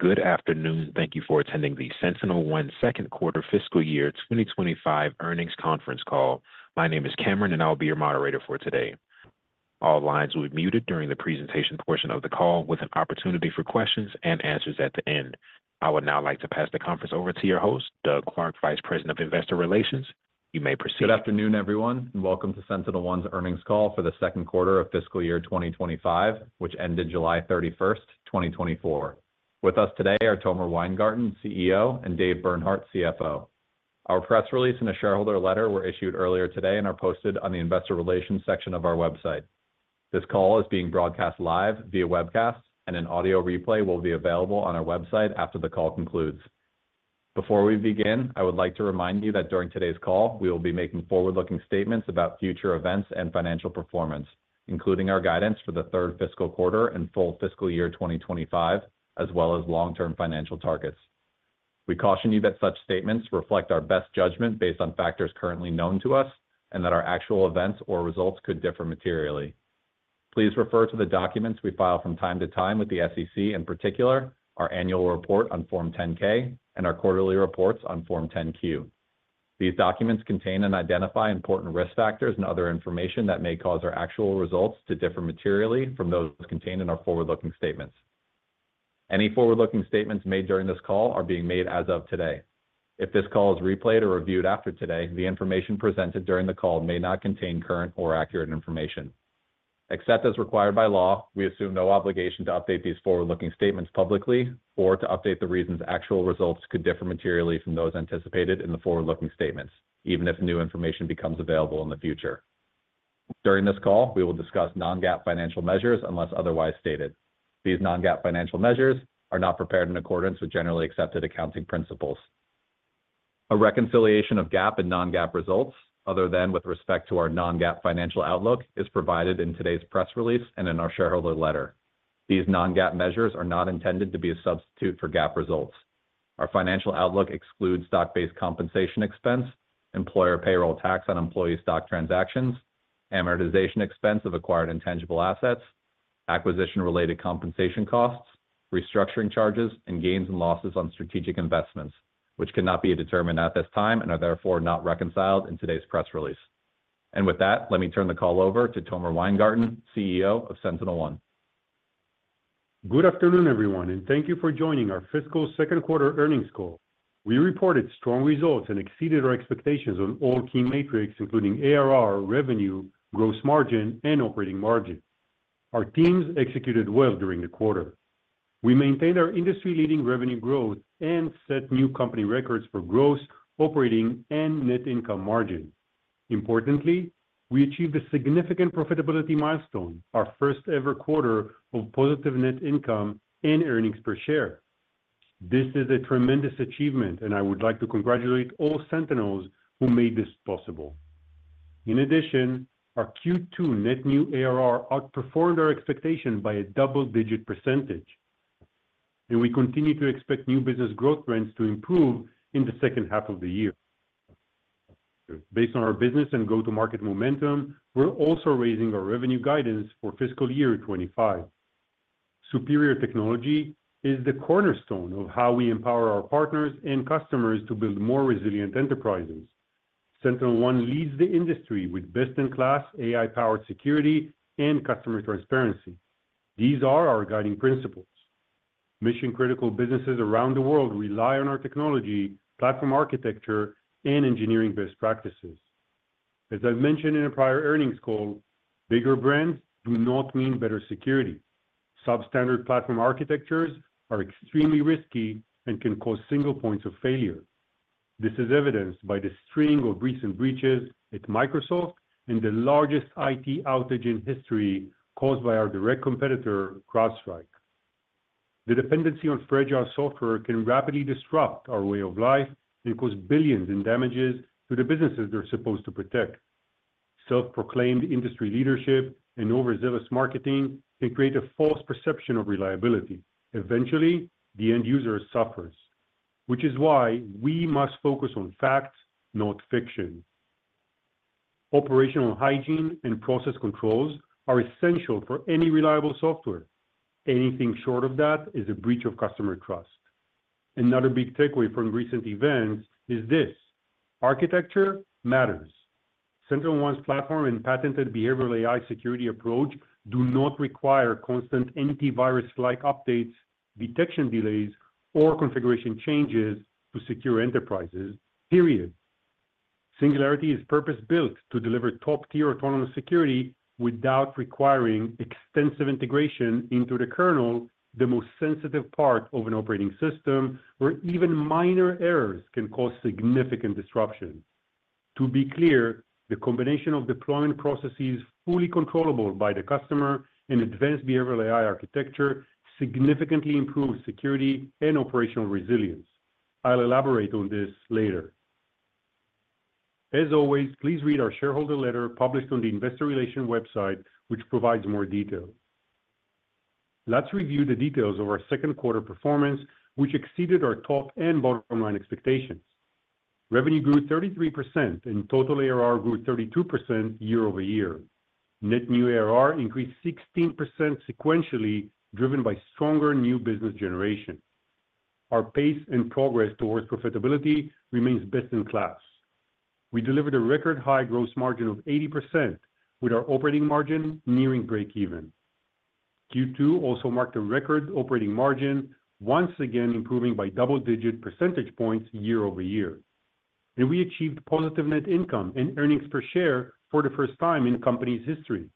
Good afternoon. Thank you for attending the SentinelOne Q2 fiscal year 2025 earnings conference call. My name is Cameron, and I'll be your moderator for today. All lines will be muted during the presentation portion of the call, with an opportunity for questions and answers at the end. I would now like to pass the conference over to your host, Doug Clark, Vice President of Investor Relations. You may proceed. Good afternoon, everyone, and welcome to SentinelOne's earnings call for the Q2 of fiscal year 2025, which ended July thirty-first, 2024. With us today are Tomer Weingarten, CEO, and Dave Bernhardt, CFO. Our press release and a shareholder letter were issued earlier today and are posted on the investor relations section of our website. This call is being broadcast live via webcast, and an audio replay will be available on our website after the call concludes. Before we begin, I would like to remind you that during today's call, we will be making forward-looking statements about future events and financial performance, including our guidance for the third fiscal quarter and full fiscal year 2025, as well as long-term financial targets. We caution you that such statements reflect our best judgment based on factors currently known to us, and that our actual events or results could differ materially. Please refer to the documents we file from time to time with the SEC, in particular, our annual report on Form 10-K and our quarterly reports on Form 10-Q. These documents contain and identify important risk factors and other information that may cause our actual results to differ materially from those contained in our forward-looking statements. Any forward-looking statements made during this call are being made as of today. If this call is replayed or reviewed after today, the information presented during the call may not contain current or accurate information. Except as required by law, we assume no obligation to update these forward-looking statements publicly or to update the reasons actual results could differ materially from those anticipated in the forward-looking statements, even if new information becomes available in the future. During this call, we will discuss non-GAAP financial measures, unless otherwise stated. These non-GAAP financial measures are not prepared in accordance with generally accepted accounting principles. A reconciliation of GAAP and non-GAAP results, other than with respect to our non-GAAP financial outlook, is provided in today's press release and in our shareholder letter. These non-GAAP measures are not intended to be a substitute for GAAP results. Our financial outlook excludes stock-based compensation expense, employer payroll tax on employee stock transactions, amortization expense of acquired intangible assets, acquisition-related compensation costs, restructuring charges, and gains and losses on strategic investments, which cannot be determined at this time and are therefore not reconciled in today's press release, and with that, let me turn the call over to Tomer Weingarten, CEO of SentinelOne. Good afternoon, everyone, and thank you for joining our fiscal Q2 earnings call. We reported strong results and exceeded our expectations on all key metrics, including ARR, revenue, gross margin, and operating margin. Our teams executed well during the quarter. We maintained our industry-leading revenue growth and set new company records for gross, operating, and net income margin. Importantly, we achieved a significant profitability milestone, our first-ever quarter of positive net income and earnings per share. This is a tremendous achievement, and I would like to congratulate all Sentinels who made this possible. In addition, our Q2 net new ARR outperformed our expectation by a double-digit percentage, and we continue to expect new business growth trends to improve in the second half of the year. Based on our business and go-to-market momentum, we're also raising our revenue guidance for fiscal year 2025. Superior technology is the cornerstone of how we empower our partners and customers to build more resilient enterprises. SentinelOne leads the industry with best-in-class AI-powered security and customer transparency. These are our guiding principles. Mission-critical businesses around the world rely on our technology, platform architecture, and engineering best practices. As I've mentioned in a prior earnings call, bigger brands do not mean better security. Substandard platform architectures are extremely risky and can cause single points of failure. This is evidenced by the string of recent breaches at Microsoft and the largest IT outage in history caused by our direct competitor, CrowdStrike. The dependency on fragile software can rapidly disrupt our way of life and cause billions in damages to the businesses they're supposed to protect. Self-proclaimed industry leadership and overzealous marketing can create a false perception of reliability. Eventually, the end user suffers, which is why we must focus on facts, not fiction. Operational hygiene and process controls are essential for any reliable software. Anything short of that is a breach of customer trust. Another big takeaway from recent events is this: architecture matters. SentinelOne's platform and patented behavioral AI security approach do not require constant antivirus-like updates, detection delays, or configuration changes to secure enterprises, period. Singularity is purpose-built to deliver top-tier autonomous security without requiring extensive integration into the kernel, the most sensitive part of an operating system, where even minor errors can cause significant disruption. To be clear, the combination of deployment processes fully controllable by the customer and advanced behavioral AI architecture significantly improves security and operational resilience. I'll elaborate on this later. As always, please read our shareholder letter published on the Investor Relations website, which provides more detail. Let's review the details of our Q2 performance, which exceeded our top and bottom-line expectations... Revenue grew 33%, and total ARR grew 32% year-over-year. Net new ARR increased 16% sequentially, driven by stronger new business generation. Our pace and progress towards profitability remains best-in-class. We delivered a record high gross margin of 80%, with our operating margin nearing breakeven. Q2 also marked a record operating margin, once again improving by double-digit percentage points year-over-year, and we achieved positive net income and earnings per share for the first time in the company's history,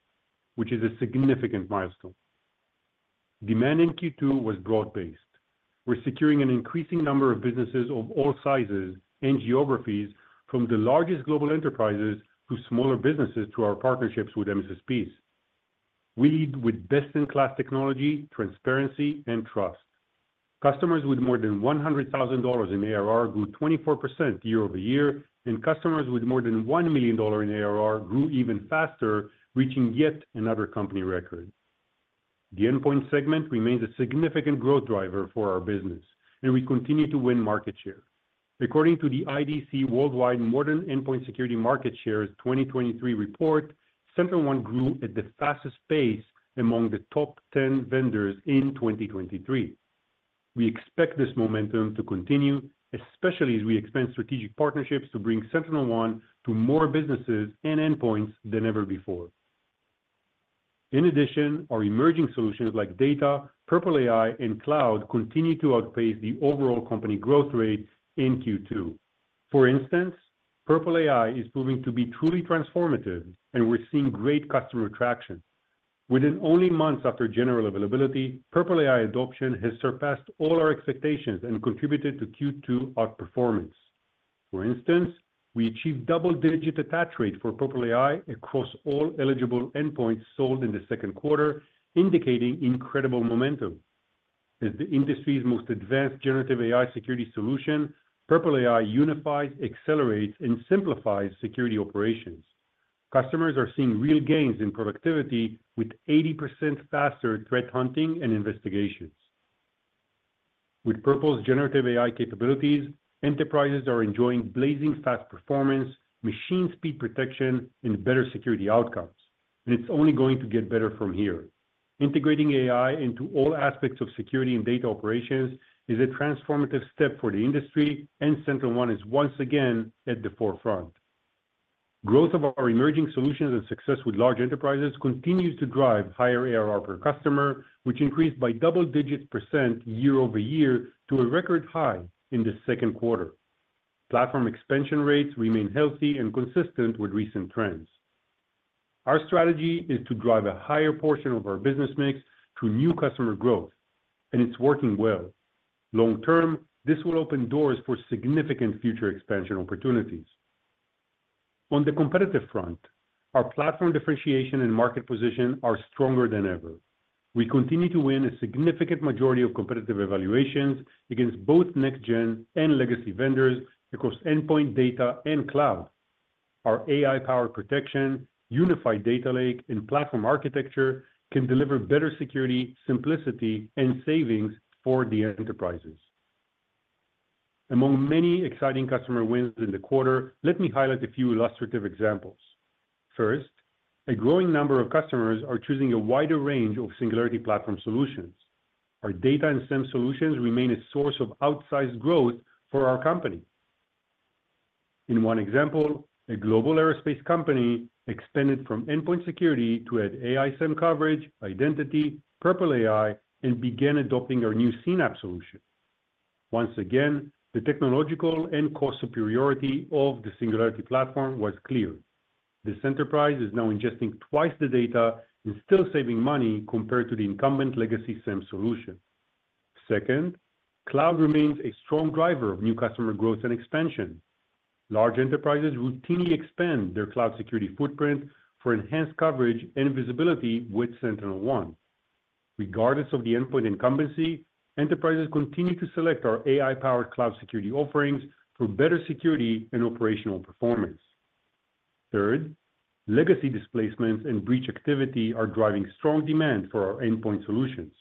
which is a significant milestone. Demand in Q2 was broad-based. We're securing an increasing number of businesses of all sizes and geographies, from the largest global enterprises to smaller businesses, through our partnerships with MSPs. We lead with best-in-class technology, transparency, and trust. Customers with more than $100,000 in ARR grew 24% year-over-year, and customers with more than $1 million in ARR grew even faster, reaching yet another company record. The endpoint segment remains a significant growth driver for our business, and we continue to win market share. According to the IDC Worldwide Modern Endpoint Security Market Shares 2023 report, SentinelOne grew at the fastest pace among the top 10 vendors in 2023. We expect this momentum to continue, especially as we expand strategic partnerships to bring SentinelOne to more businesses and endpoints than ever before. In addition, our emerging solutions like Data, Purple AI, and Cloud continue to outpace the overall company growth rate in Q2. For instance, Purple AI is proving to be truly transformative, and we're seeing great customer traction. Within only months after general availability, Purple AI adoption has surpassed all our expectations and contributed to Q2 outperformance. For instance, we achieved double-digit attach rate for Purple AI across all eligible endpoints sold in the Q2, indicating incredible momentum. As the industry's most advanced generative AI security solution, Purple AI unifies, accelerates, and simplifies security operations. Customers are seeing real gains in productivity, with 80% faster threat hunting and investigations. With Purple's generative AI capabilities, enterprises are enjoying blazing fast performance, machine speed protection, and better security outcomes, and it's only going to get better from here. Integrating AI into all aspects of security and data operations is a transformative step for the industry, and SentinelOne is once again at the forefront. Growth of our emerging solutions and success with large enterprises continues to drive higher ARR per customer, which increased by double-digit percentage year-over-year to a record high in the Q2. Platform expansion rates remain healthy and consistent with recent trends. Our strategy is to drive a higher portion of our business mix through new customer growth, and it's working well. Long term, this will open doors for significant future expansion opportunities. On the competitive front, our platform differentiation and market position are stronger than ever. We continue to win a significant majority of competitive evaluations against both next gen and legacy vendors across endpoint, data, and cloud. Our AI-powered protection, unified data lake, and platform architecture can deliver better security, simplicity, and savings for the enterprises. Among many exciting customer wins in the quarter, let me highlight a few illustrative examples. First, a growing number of customers are choosing a wider range of Singularity Platform solutions. Our data and SIEM solutions remain a source of outsized growth for our company. In one example, a global aerospace company expanded from endpoint security to add AI SIEM coverage, identity, Purple AI, and began adopting our new Synapse solution. Once again, the technological and cost superiority of the Singularity Platform was clear. This enterprise is now ingesting twice the data and still saving money compared to the incumbent legacy SIEM solution. Second, cloud remains a strong driver of new customer growth and expansion. Large enterprises routinely expand their cloud security footprint for enhanced coverage and visibility with SentinelOne. Regardless of the endpoint incumbency, enterprises continue to select our AI-powered cloud security offerings for better security and operational performance. Third, legacy displacements and breach activity are driving strong demand for our endpoint solutions.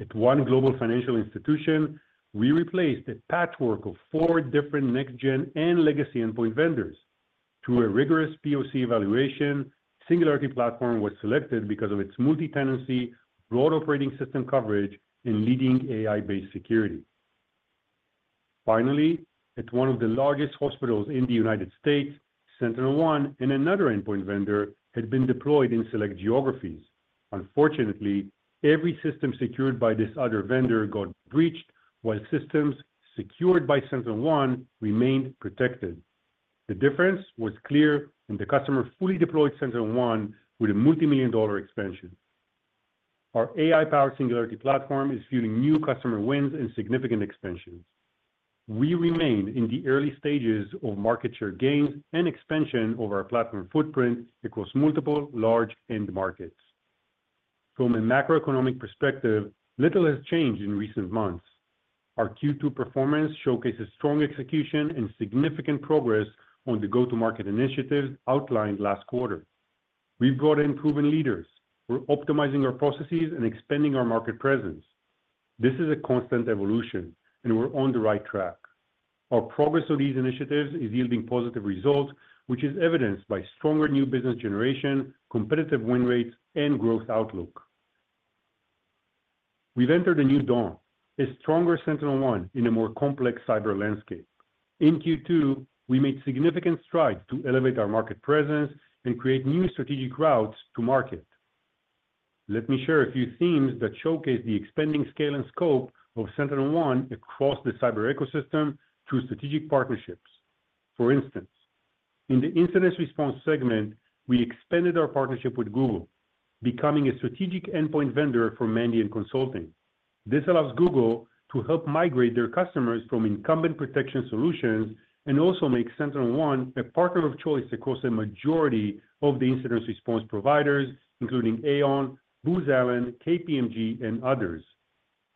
At one global financial institution, we replaced a patchwork of four different next-gen and legacy endpoint vendors. Through a rigorous POC evaluation, Singularity Platform was selected because of its multi-tenancy, broad operating system coverage, and leading AI-based security. Finally, at one of the largest hospitals in the United States, SentinelOne and another endpoint vendor had been deployed in select geographies. Unfortunately, every system secured by this other vendor got breached, while systems secured by SentinelOne remained protected. The difference was clear, and the customer fully deployed SentinelOne with a multimillion-dollar expansion. Our AI-powered Singularity Platform is fueling new customer wins and significant expansions. We remain in the early stages of market share gains and expansion of our platform footprint across multiple large end markets. From a macroeconomic perspective, little has changed in recent months. Our Q2 performance showcases strong execution and significant progress on the go-to-market initiatives outlined last quarter. We've brought in proven leaders. We're optimizing our processes and expanding our market presence. This is a constant evolution, and we're on the right track. Our progress on these initiatives is yielding positive results, which is evidenced by stronger new business generation, competitive win rates, and growth outlook. We've entered a new dawn, a stronger SentinelOne in a more complex cyber landscape. In Q2, we made significant strides to elevate our market presence and create new strategic routes to market. Let me share a few themes that showcase the expanding scale and scope of SentinelOne across the cyber ecosystem through strategic partnerships. For instance, in the incident response segment, we expanded our partnership with Google, becoming a strategic endpoint vendor for Mandiant Consulting. This allows Google to help migrate their customers from incumbent protection solutions and also make SentinelOne a partner of choice across a majority of the incident response providers, including Aon, Booz Allen, KPMG, and others.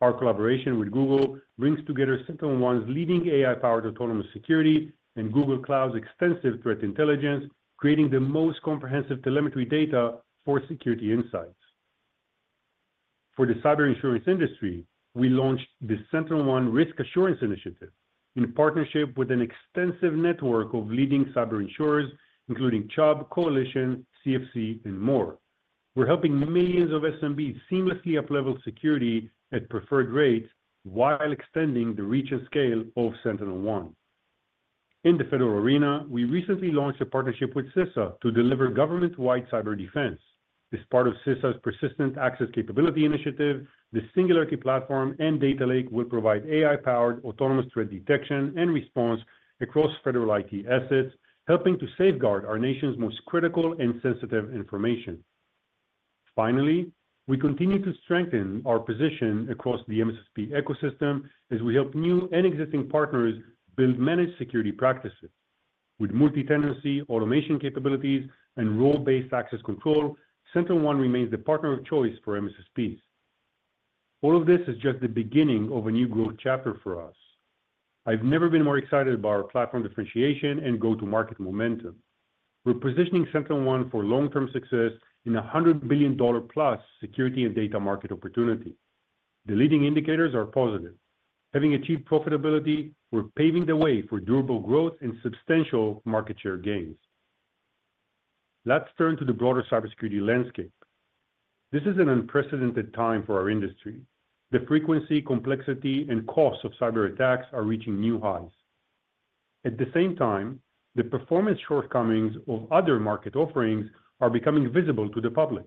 Our collaboration with Google brings together SentinelOne's leading AI-powered autonomous security and Google Cloud's extensive threat intelligence, creating the most comprehensive telemetry data for security insights. For the cyber insurance industry, we launched the SentinelOne Risk Assurance Initiative in partnership with an extensive network of leading cyber insurers, including Chubb, Coalition, CFC, and more. We're helping millions of SMBs seamlessly up-level security at preferred rates while extending the reach and scale of SentinelOne. In the federal arena, we recently launched a partnership with CISA to deliver government-wide cyber defense. As part of CISA's Persistent Access Capability initiative, the Singularity Platform and Data Lake will provide AI-powered, autonomous threat detection and response across federal IT assets, helping to safeguard our nation's most critical and sensitive information. Finally, we continue to strengthen our position across the MSSP ecosystem as we help new and existing partners build managed security practices. With multi-tenancy, automation capabilities, and role-based access control, SentinelOne remains the partner of choice for MSSPs. All of this is just the beginning of a new growth chapter for us. I've never been more excited about our platform differentiation and go-to-market momentum. We're positioning SentinelOne for long-term success in a $100 billion-plus security and data market opportunity. The leading indicators are positive. Having achieved profitability, we're paving the way for durable growth and substantial market share gains. Let's turn to the broader cybersecurity landscape. This is an unprecedented time for our industry. The frequency, complexity, and cost of cyberattacks are reaching new highs. At the same time, the performance shortcomings of other market offerings are becoming visible to the public.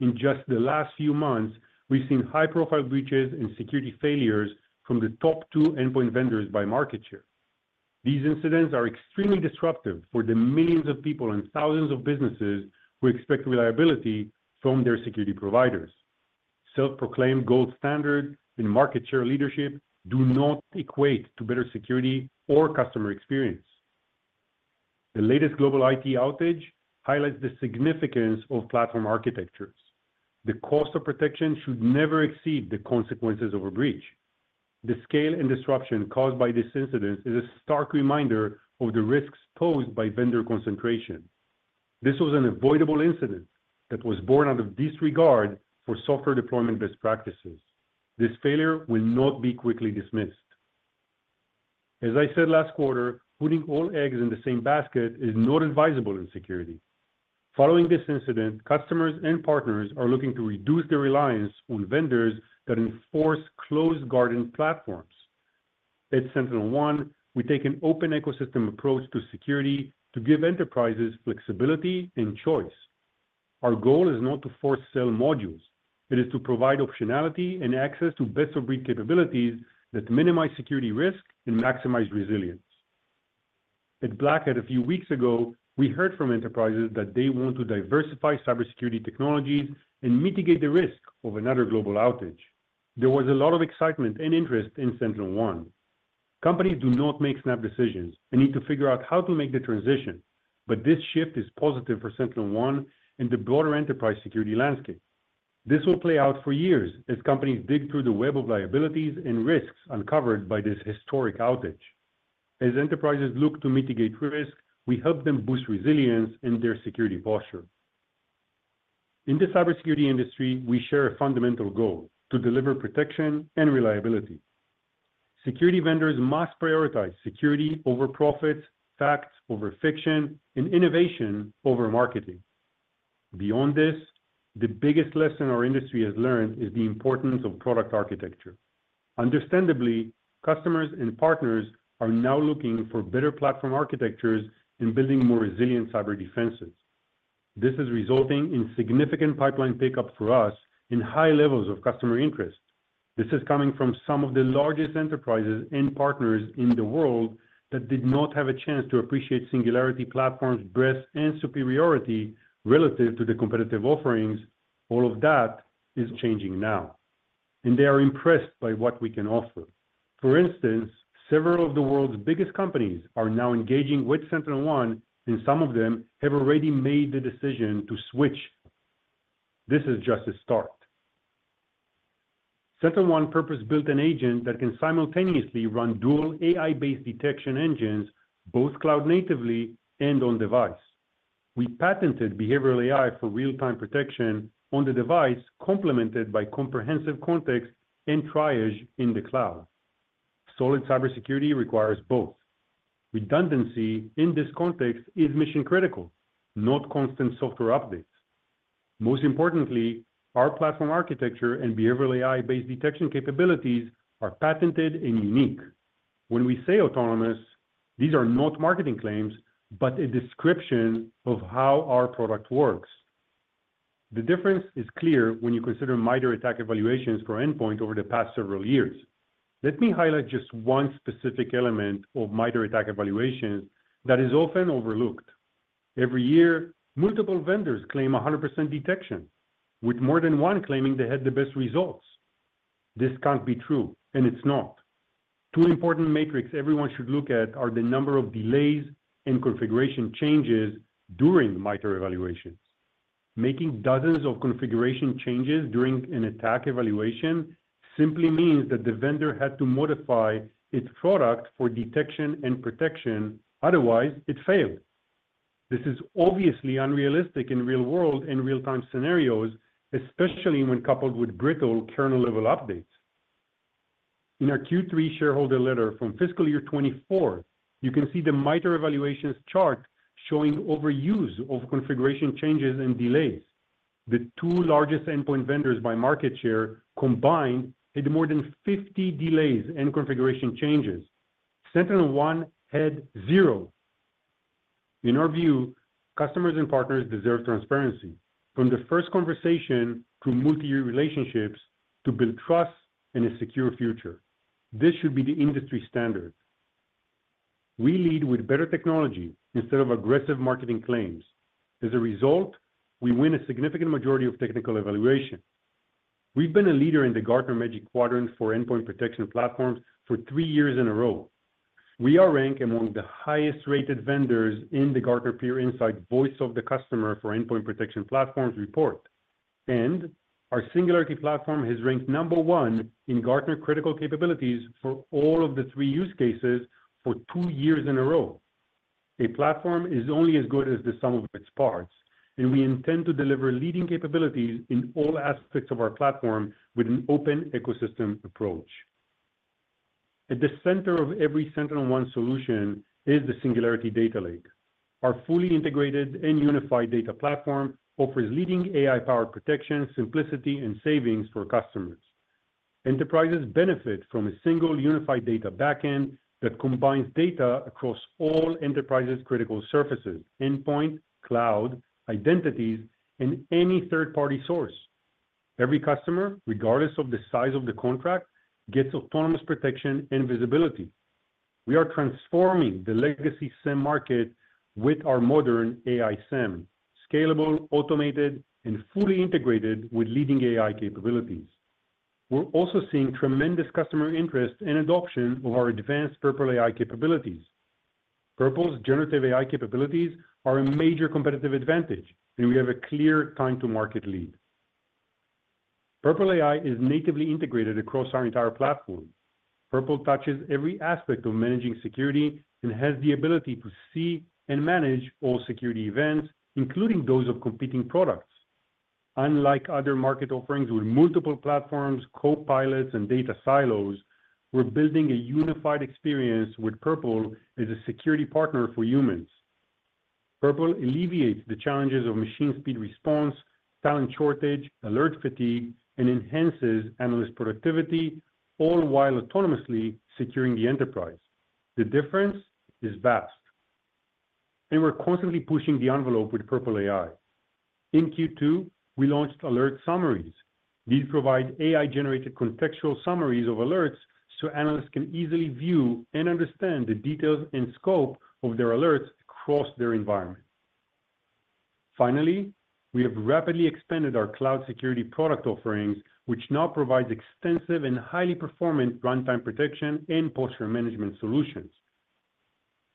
In just the last few months, we've seen high-profile breaches and security failures from the top two endpoint vendors by market share. These incidents are extremely disruptive for the millions of people and thousands of businesses who expect reliability from their security providers. Self-proclaimed gold standard and market share leadership do not equate to better security or customer experience. The latest global IT outage highlights the significance of platform architectures. The cost of protection should never exceed the consequences of a breach. The scale and disruption caused by this incident is a stark reminder of the risks posed by vendor concentration. This was an avoidable incident that was born out of disregard for software deployment best practices. This failure will not be quickly dismissed. As I said last quarter, putting all eggs in the same basket is not advisable in security. Following this incident, customers and partners are looking to reduce their reliance on vendors that enforce closed garden platforms. At SentinelOne, we take an open ecosystem approach to security to give enterprises flexibility and choice. Our goal is not to force sell modules. It is to provide optionality and access to best-of-breed capabilities that minimize security risk and maximize resilience. At Black Hat a few weeks ago, we heard from enterprises that they want to diversify cybersecurity technologies and mitigate the risk of another global outage. There was a lot of excitement and interest in SentinelOne. Companies do not make snap decisions and need to figure out how to make the transition, but this shift is positive for SentinelOne and the broader enterprise security landscape. This will play out for years as companies dig through the web of liabilities and risks uncovered by this historic outage. As enterprises look to mitigate risk, we help them boost resilience in their security posture. In the cybersecurity industry, we share a fundamental goal: to deliver protection and reliability. Security vendors must prioritize security over profits, facts over fiction, and innovation over marketing. Beyond this, the biggest lesson our industry has learned is the importance of product architecture. Understandably, customers and partners are now looking for better platform architectures in building more resilient cyber defenses. This is resulting in significant pipeline pickup for us and high levels of customer interest. This is coming from some of the largest enterprises and partners in the world that did not have a chance to appreciate Singularity Platform's breadth and superiority relative to the competitive offerings. All of that is changing now, and they are impressed by what we can offer. For instance, several of the world's biggest companies are now engaging with SentinelOne, and some of them have already made the decision to switch. This is just a start... SentinelOne purpose-built an agent that can simultaneously run dual AI-based detection engines, both cloud natively and on-device. We patented behavioral AI for real-time protection on the device, complemented by comprehensive context and triage in the cloud. Solid cybersecurity requires both. Redundancy in this context is mission-critical, not constant software updates. Most importantly, our platform architecture and behavioral AI-based detection capabilities are patented and unique. When we say autonomous, these are not marketing claims, but a description of how our product works. The difference is clear when you consider MITRE ATT&CK evaluations for endpoint over the past several years. Let me highlight just one specific element of MITRE ATT&CK evaluations that is often overlooked. Every year, multiple vendors claim a 100% detection, with more than one claiming they had the best results. This can't be true, and it's not. Two important metrics everyone should look at are the number of delays and configuration changes during MITRE evaluations. Making dozens of configuration changes during an attack evaluation simply means that the vendor had to modify its product for detection and protection, otherwise, it failed. This is obviously unrealistic in real-world and real-time scenarios, especially when coupled with brittle kernel-level updates. In our Q3 shareholder letter from fiscal year 2024, you can see the MITRE evaluations chart showing overuse of configuration changes and delays. The two largest endpoint vendors by market share combined, had more than 50 delays and configuration changes. SentinelOne had zero. In our view, customers and partners deserve transparency from the first conversation to multi-year relationships to build trust and a secure future. This should be the industry standard. We lead with better technology instead of aggressive marketing claims. As a result, we win a significant majority of technical evaluations. We've been a leader in the Gartner Magic Quadrant for Endpoint Protection Platforms for three years in a row. We are ranked among the highest-rated vendors in the Gartner Peer Insights Voice of the Customer for Endpoint Protection Platforms report, and our Singularity Platform has ranked number one in Gartner Critical Capabilities for all of the three use cases for two years in a row. A platform is only as good as the sum of its parts, and we intend to deliver leading capabilities in all aspects of our platform with an open ecosystem approach. At the center of every SentinelOne solution is the Singularity Data Lake. Our fully integrated and unified data platform offers leading AI-powered protection, simplicity, and savings for customers. Enterprises benefit from a single unified data backend that combines data across all enterprises' critical surfaces, endpoint, cloud, identities, and any third-party source. Every customer, regardless of the size of the contract, gets autonomous protection and visibility. We are transforming the legacy SIEM market with our modern AI SIEM, scalable, automated, and fully integrated with leading AI capabilities. We're also seeing tremendous customer interest and adoption of our advanced Purple AI capabilities. Purple's generative AI capabilities are a major competitive advantage, and we have a clear time-to-market lead. Purple AI is natively integrated across our entire platform. Purple touches every aspect of managing security and has the ability to see and manage all security events, including those of competing products. Unlike other market offerings with multiple platforms, co-pilots, and data silos, we're building a unified experience with Purple as a security partner for humans. Purple alleviates the challenges of machine speed response, talent shortage, alert fatigue, and enhances analyst productivity, all while autonomously securing the enterprise. The difference is vast, and we're constantly pushing the envelope with Purple AI. In Q2, we launched alert summaries. These provide AI-generated contextual summaries of alerts, so analysts can easily view and understand the details and scope of their alerts across their environment. Finally, we have rapidly expanded our cloud security product offerings, which now provides extensive and highly performant runtime protection and posture management solutions.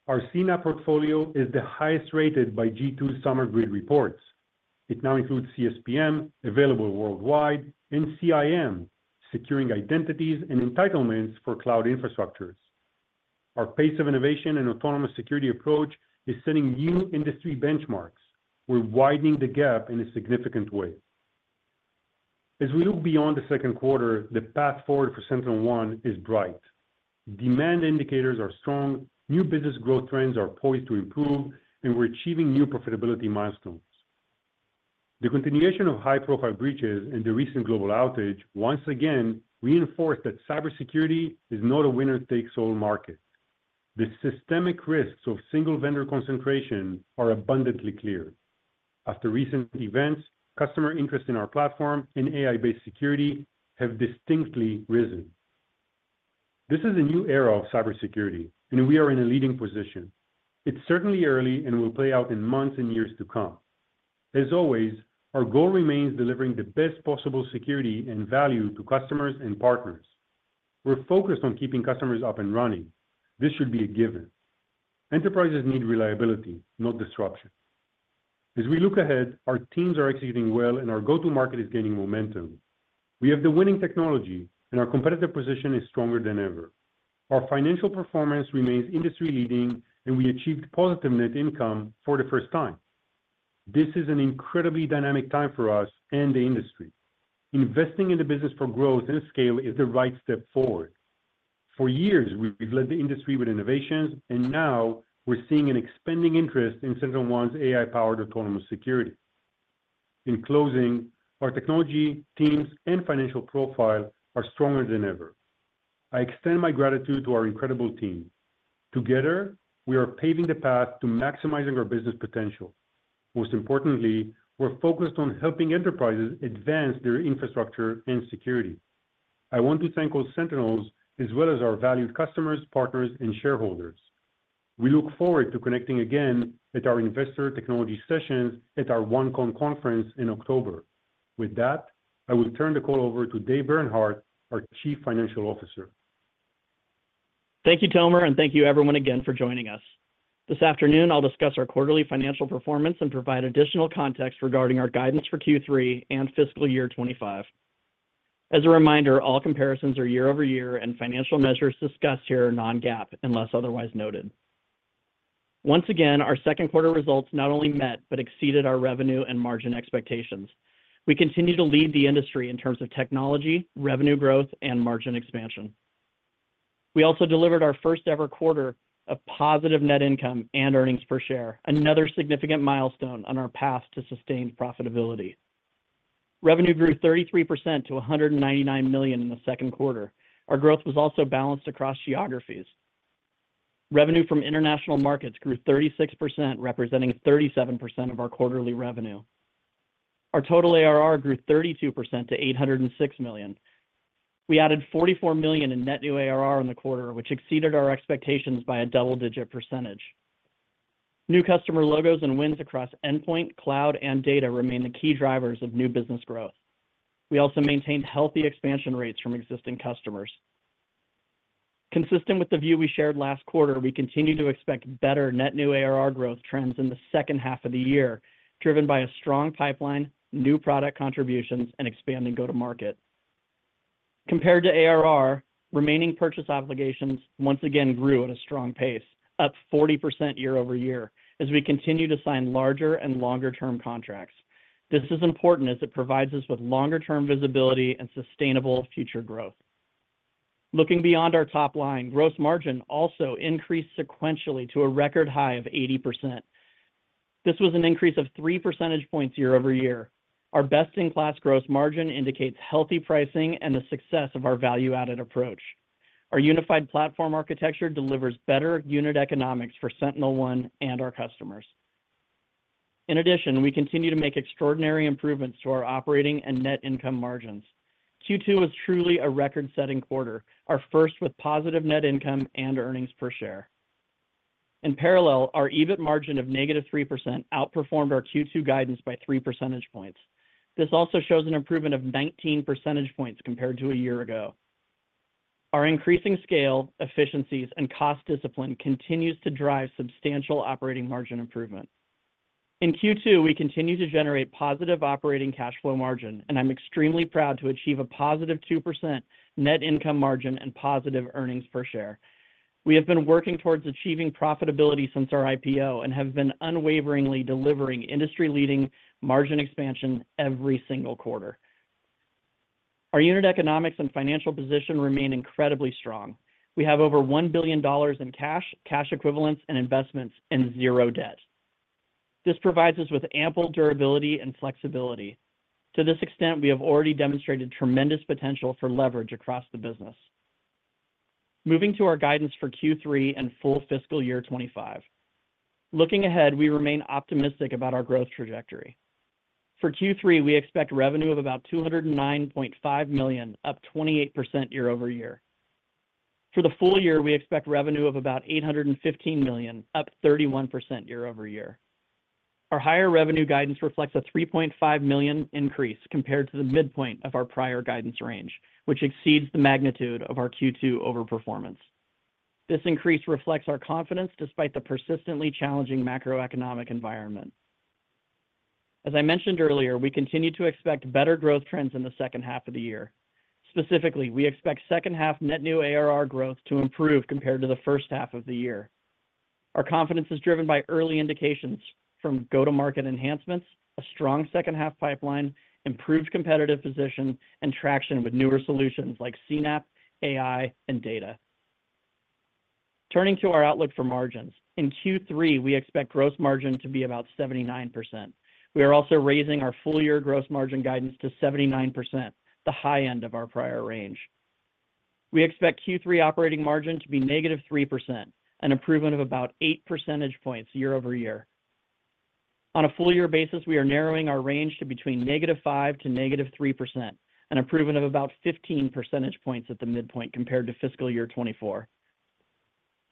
Our CNAPP portfolio is the highest rated by G2 Summer Grid reports. It now includes CSPM, available worldwide, and CIEM, securing identities and entitlements for cloud infrastructures. Our pace of innovation and autonomous security approach is setting new industry benchmarks. We're widening the gap in a significant way. As we look beyond the Q2, the path forward for SentinelOne is bright. Demand indicators are strong, new business growth trends are poised to improve, and we're achieving new profitability milestones. The continuation of high-profile breaches and the recent global outage once again reinforce that cybersecurity is not a winner-takes-all market. The systemic risks of single-vendor concentration are abundantly clear. After recent events, customer interest in our platform and AI-based security have distinctly risen. This is a new era of cybersecurity, and we are in a leading position. It's certainly early and will play out in months and years to come. As always, our goal remains delivering the best possible security and value to customers and partners. We're focused on keeping customers up and running. This should be a given. Enterprises need reliability, not disruption... As we look ahead, our teams are executing well, and our go-to-market is gaining momentum. We have the winning technology, and our competitive position is stronger than ever. Our financial performance remains industry-leading, and we achieved positive net income for the first time. This is an incredibly dynamic time for us and the industry. Investing in the business for growth and scale is the right step forward. For years, we've led the industry with innovations, and now we're seeing an expanding interest in SentinelOne's AI-powered autonomous security. In closing, our technology, teams, and financial profile are stronger than ever. I extend my gratitude to our incredible team. Together, we are paving the path to maximizing our business potential. Most importantly, we're focused on helping enterprises advance their infrastructure and security. I want to thank all Sentinels, as well as our valued customers, partners, and shareholders. We look forward to connecting again at our Investor Technology Sessions at our OneCon conference in October. With that, I will turn the call over to Dave Bernhardt, our Chief Financial Officer. Thank you, Tomer, and thank you everyone again for joining us. This afternoon, I'll discuss our quarterly financial performance and provide additional context regarding our guidance for Q3 and fiscal year 2025. As a reminder, all comparisons are year over year, and financial measures discussed here are non-GAAP unless otherwise noted. Once again, our Q2 results not only met but exceeded our revenue and margin expectations. We continue to lead the industry in terms of technology, revenue growth, and margin expansion. We also delivered our first-ever quarter of positive net income and earnings per share, another significant milestone on our path to sustained profitability. Revenue grew 33% to $199 million in the Q2. Our growth was also balanced across geographies. Revenue from international markets grew 36%, representing 37% of our quarterly revenue. Our total ARR grew 32% to $806 million. We added $44 million in net new ARR in the quarter, which exceeded our expectations by a double-digit percentage. New customer logos and wins across endpoint, cloud, and data remain the key drivers of new business growth. We also maintained healthy expansion rates from existing customers. Consistent with the view we shared last quarter, we continue to expect better net new ARR growth trends in the second half of the year, driven by a strong pipeline, new product contributions, and expanding go-to-market. Compared to ARR, remaining purchase obligations once again grew at a strong pace, up 40% year over year, as we continue to sign larger and longer-term contracts. This is important as it provides us with longer-term visibility and sustainable future growth. Looking beyond our top line, gross margin also increased sequentially to a record high of 80%. This was an increase of three percentage points year over year. Our best-in-class gross margin indicates healthy pricing and the success of our value-added approach. Our unified platform architecture delivers better unit economics for SentinelOne and our customers. In addition, we continue to make extraordinary improvements to our operating and net income margins. Q2 was truly a record-setting quarter, our first with positive net income and earnings per share. In parallel, our EBIT margin of -3% outperformed our Q2 guidance by three percentage points. This also shows an improvement of nineteen percentage points compared to a year ago. Our increasing scale, efficiencies, and cost discipline continues to drive substantial operating margin improvement. In Q2, we continued to generate positive operating cash flow margin, and I'm extremely proud to achieve a positive 2% net income margin and positive earnings per share. We have been working towards achieving profitability since our IPO and have been unwaveringly delivering industry-leading margin expansion every single quarter. Our unit economics and financial position remain incredibly strong. We have over $1 billion in cash, cash equivalents, and investments, and zero debt. This provides us with ample durability and flexibility. To this extent, we have already demonstrated tremendous potential for leverage across the business. Moving to our guidance for Q3 and full fiscal year 2025. Looking ahead, we remain optimistic about our growth trajectory. For Q3, we expect revenue of about $209.5 million, up 28% year over year. For the full year, we expect revenue of about $815 million, up 31% year over year. Our higher revenue guidance reflects a $3.5 million increase compared to the midpoint of our prior guidance range, which exceeds the magnitude of our Q2 overperformance. This increase reflects our confidence despite the persistently challenging macroeconomic environment. As I mentioned earlier, we continue to expect better growth trends in the second half of the year. Specifically, we expect second-half net new ARR growth to improve compared to the first half of the year. Our confidence is driven by early indications from go-to-market enhancements, a strong second-half pipeline, improved competitive position, and traction with newer solutions like CNAPP, AI, and data. Turning to our outlook for margins. In Q3, we expect gross margin to be about 79%. We are also raising our full-year gross margin guidance to 79%, the high end of our prior range. We expect Q3 operating margin to be -3%, an improvement of about eight percentage points year over year. On a full year basis, we are narrowing our range to between -5% to -3%, an improvement of about 15 percentage points at the midpoint compared to fiscal year 2024.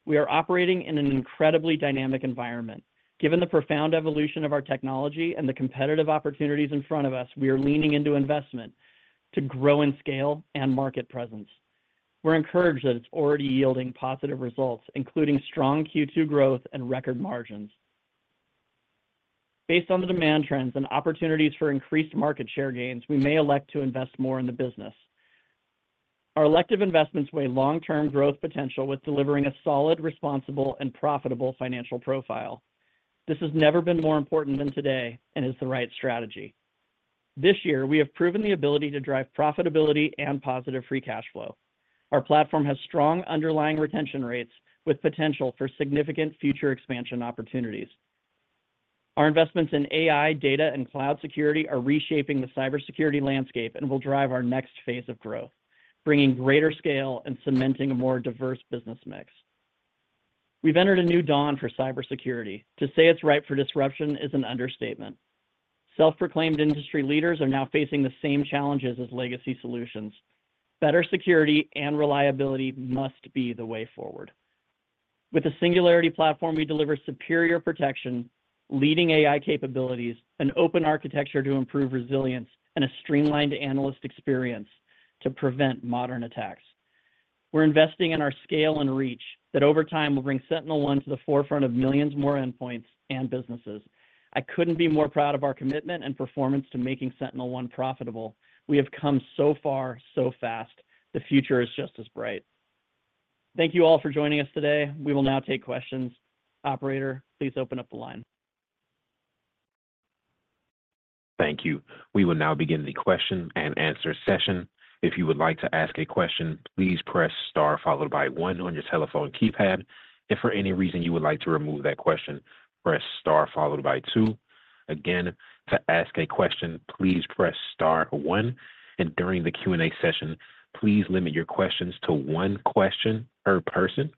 We are operating in an incredibly dynamic environment. Given the profound evolution of our technology and the competitive opportunities in front of us, we are leaning into investment to grow in scale and market presence. We're encouraged that it's already yielding positive results, including strong Q2 growth and record margins. Based on the demand trends and opportunities for increased market share gains, we may elect to invest more in the business. Our elective investments weigh long-term growth potential with delivering a solid, responsible, and profitable financial profile. This has never been more important than today and is the right strategy. This year, we have proven the ability to drive profitability and positive free cash flow. Our platform has strong underlying retention rates, with potential for significant future expansion opportunities. Our investments in AI, data, and cloud security are reshaping the cybersecurity landscape and will drive our next phase of growth, bringing greater scale and cementing a more diverse business mix. We've entered a new dawn for cybersecurity. To say it's ripe for disruption is an understatement. Self-proclaimed industry leaders are now facing the same challenges as legacy solutions. Better security and reliability must be the way forward. With the Singularity Platform, we deliver superior protection, leading AI capabilities, an open architecture to improve resilience, and a streamlined analyst experience to prevent modern attacks. We're investing in our scale and reach, that over time will bring SentinelOne to the forefront of millions more endpoints and businesses. I couldn't be more proud of our commitment and performance to making SentinelOne profitable. We have come so far, so fast. The future is just as bright. Thank you all for joining us today. We will now take questions. Operator, please open up the line. Thank you. We will now begin the question and answer session. If you would like to ask a question, please press Star followed by one on your telephone keypad. If for any reason you would like to remove that question, press Star followed by two. Again, to ask a question, please press Star one, and during the Q&A session, please limit your questions to one question per person,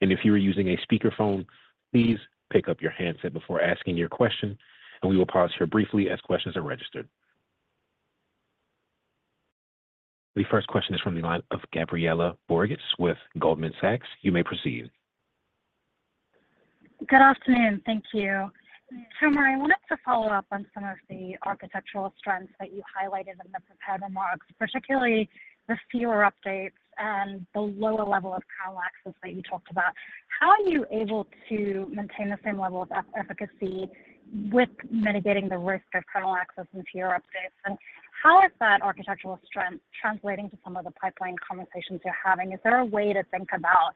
and if you are using a speakerphone, please pick up your handset before asking your question, and we will pause here briefly as questions are registered. The first question is from the line of Gabriela Borges with Goldman Sachs. You may proceed. Good afternoon. Thank you. Tomer, I wanted to follow up on some of the architectural strengths that you highlighted in the prepared remarks, particularly the fewer updates and the lower level of kernel access that you talked about. How are you able to maintain the same level of efficacy with mitigating the risk of kernel access into your updates? And how is that architectural strength translating to some of the pipeline conversations you're having? Is there a way to think about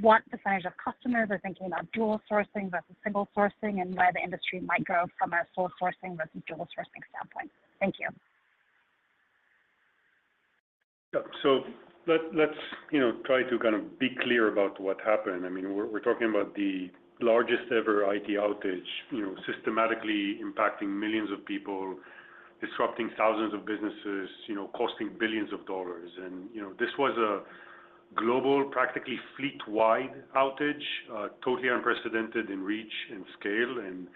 what percentage of customers are thinking about dual sourcing versus single sourcing, and where the industry might go from a sole sourcing versus dual sourcing standpoint? Thank you. Yeah. So let's, you know, try to kind of be clear about what happened. I mean, we're talking about the largest ever IT outage, you know, systematically impacting millions of people, disrupting thousands of businesses, you know, costing billions of dollars. And, you know, this was a global, practically fleet-wide outage, totally unprecedented in reach and scale. And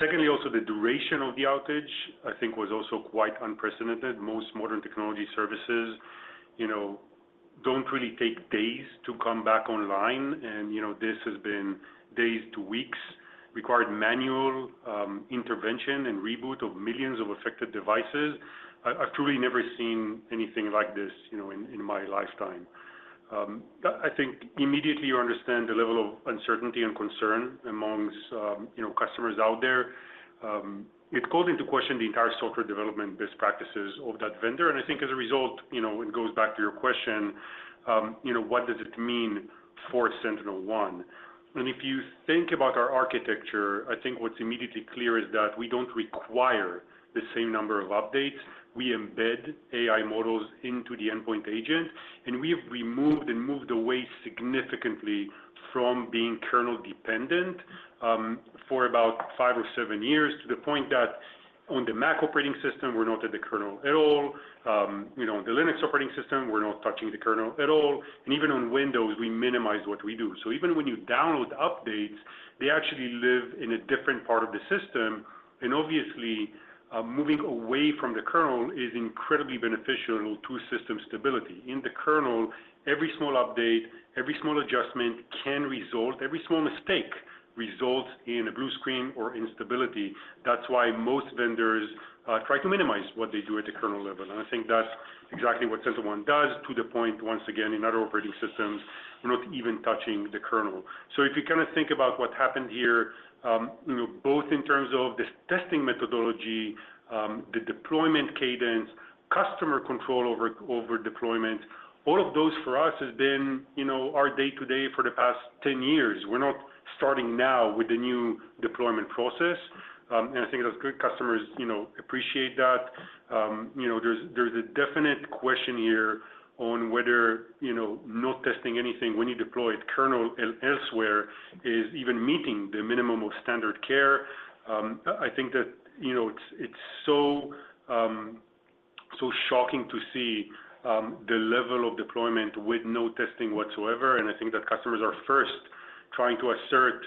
secondly, also, the duration of the outage, I think, was also quite unprecedented. Most modern technology services, you know, don't really take days to come back online, and, you know, this has been days to weeks. Required manual intervention and reboot of millions of affected devices. I've truly never seen anything like this, you know, in my lifetime. I think immediately you understand the level of uncertainty and concern amongst, you know, customers out there. It called into question the entire software development best practices of that vendor. And I think as a result, you know, it goes back to your question, you know, what does it mean for SentinelOne? And if you think about our architecture, I think what's immediately clear is that we don't require the same number of updates. We embed AI models into the endpoint agent, and we've removed and moved away significantly from being kernel-dependent, for about five or seven years, to the point that on the Mac operating system, we're not at the kernel at all. You know, the Linux operating system, we're not touching the kernel at all, and even on Windows, we minimize what we do. So even when you download updates, they actually live in a different part of the system. And obviously, moving away from the kernel is incredibly beneficial to system stability. In the kernel, every small update, every small adjustment can result-- every small mistake results in a Blue Screen or instability. That's why most vendors try to minimize what they do at the kernel level. And I think that's exactly what SentinelOne does, to the point, once again, in other operating systems, we're not even touching the kernel. So if you kinda think about what happened here, you know, both in terms of the testing methodology, the deployment cadence, customer control over deployment, all of those for us has been, you know, our day-to-day for the past ten years. We're not starting now with the new deployment process, and I think those good customers, you know, appreciate that. You know, there's a definite question here on whether, you know, not testing anything when you deploy it, kernel elsewhere, is even meeting the minimum of standard care. I think that, you know, it's so shocking to see the level of deployment with no testing whatsoever, and I think that customers are first trying to assert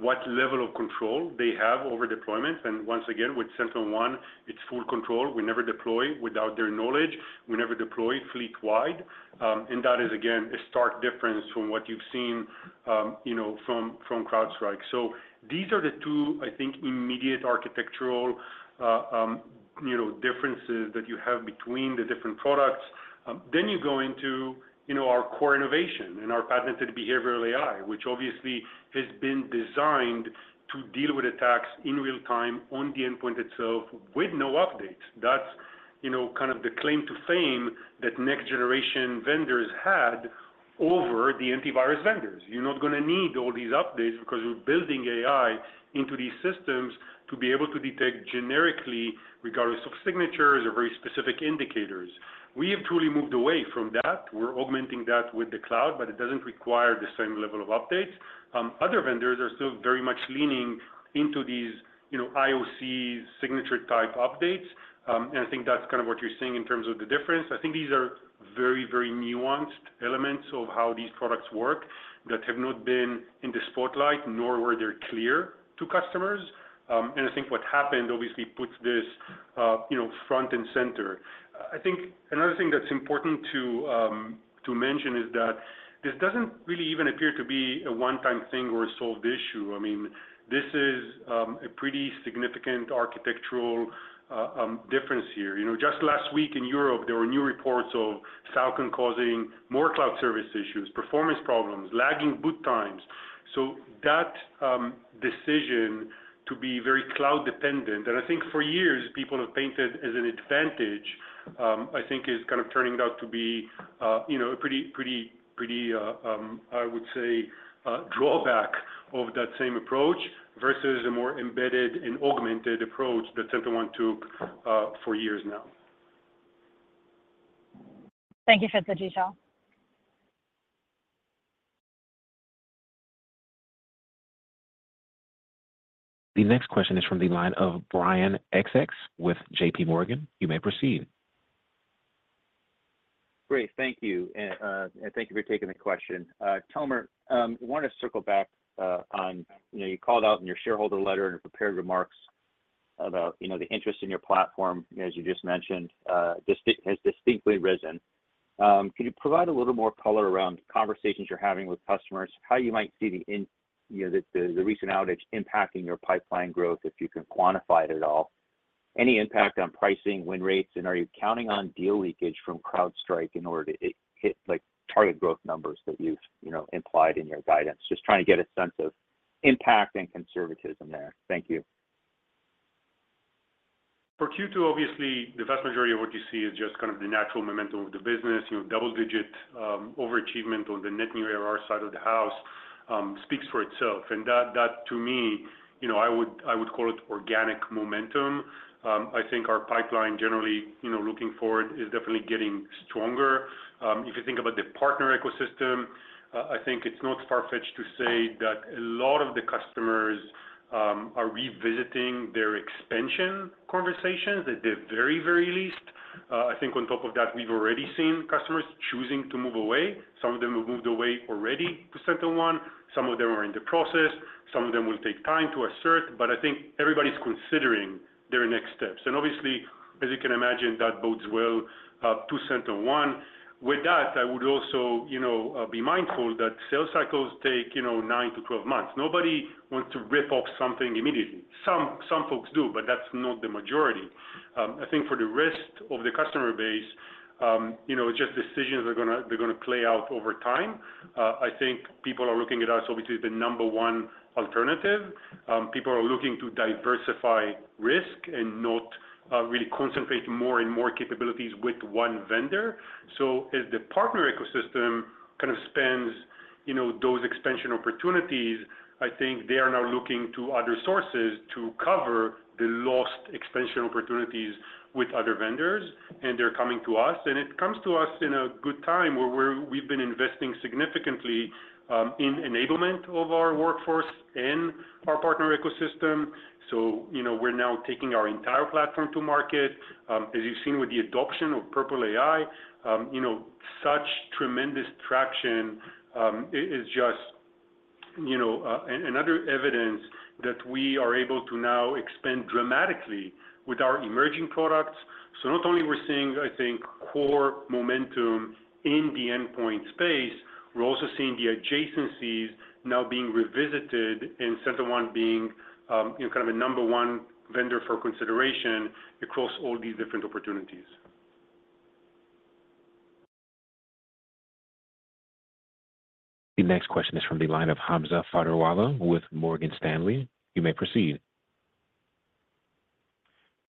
what level of control they have over deployments. And once again, with SentinelOne, it's full control. We never deploy without their knowledge. We never deploy fleet-wide, and that is, again, a stark difference from what you've seen, you know, from CrowdStrike. So these are the two, I think, immediate architectural differences that you have between the different products. Then you go into, you know, our core innovation and our patented behavioral AI, which obviously has been designed to deal with attacks in real time on the endpoint itself with no updates. That's, you know, kind of the claim to fame that next generation vendors had over the antivirus vendors. You're not gonna need all these updates because we're building AI into these systems to be able to detect generically, regardless of signatures or very specific indicators. We have truly moved away from that. We're augmenting that with the cloud, but it doesn't require the same level of updates. Other vendors are still very much leaning into these, you know, IOC signature-type updates. And I think that's kind of what you're seeing in terms of the difference. I think these are very, very nuanced elements of how these products work that have not been in the spotlight, nor were they clear to customers, and I think what happened obviously puts this, you know, front and center. I think another thing that's important to mention is that this doesn't really even appear to be a one-time thing or a solved issue. I mean, this is a pretty significant architectural difference here. You know, just last week in Europe, there were new reports of Falcon causing more cloud service issues, performance problems, lagging boot times. That decision to be very cloud dependent, and I think for years, people have painted as an advantage, I think is kind of turning out to be, you know, a pretty, I would say, drawback of that same approach versus a more embedded and augmented approach that SentinelOne took for years now. Thank you for the detail. The next question is from the line of Brian Essex with JPMorgan. You may proceed. Great. Thank you, and thank you for taking the question. Tomer, I wanted to circle back on, you know, you called out in your shareholder letter and your prepared remarks about, you know, the interest in your platform, as you just mentioned, has distinctly risen. Could you provide a little more color around conversations you're having with customers, how you might see the, you know, the recent outage impacting your pipeline growth, if you can quantify it at all? Any impact on pricing, win rates, and are you counting on deal leakage from CrowdStrike in order to hit, like, target growth numbers that you've, you know, implied in your guidance? Just trying to get a sense of impact and conservatism there. Thank you. For Q2, obviously, the vast majority of what you see is just kind of the natural momentum of the business. You know, double digit overachievement on the net new ARR side of the house speaks for itself, and that, that to me, you know, I would, I would call it organic momentum. I think our pipeline generally, you know, looking forward, is definitely getting stronger. If you think about the partner ecosystem, I think it's not far-fetched to say that a lot of the customers are revisiting their expansion conversations at the very, very least. I think on top of that, we've already seen customers choosing to move away. Some of them have moved away already to SentinelOne, some of them are in the process, some of them will take time to assert, but I think everybody's considering their next steps. And obviously, as you can imagine, that bodes well to SentinelOne. With that, I would also, you know, be mindful that sales cycles take, you know, nine to 12 months. Nobody wants to rip off something immediately. Some folks do, but that's not the majority. I think for the rest of the customer base, you know, just decisions are gonna play out over time. I think people are looking at us, obviously, the number one alternative. People are looking to diversify risk and not really concentrate more and more capabilities with one vendor. So as the partner ecosystem kind of expands, you know, those expansion opportunities, I think they are now looking to other sources to cover the lost expansion opportunities with other vendors, and they're coming to us. And it comes to us in a good time, where we've been investing significantly in enablement of our workforce and our partner ecosystem. So, you know, we're now taking our entire platform to market. As you've seen with the adoption of Purple AI, you know, such tremendous traction is just another evidence that we are able to now expand dramatically with our emerging products. So not only we're seeing, I think, core momentum in the endpoint space, we're also seeing the adjacencies now being revisited and SentinelOne being, you know, kind of a number one vendor for consideration across all these different opportunities. The next question is from the line of Hamza Fodderwala with Morgan Stanley. You may proceed.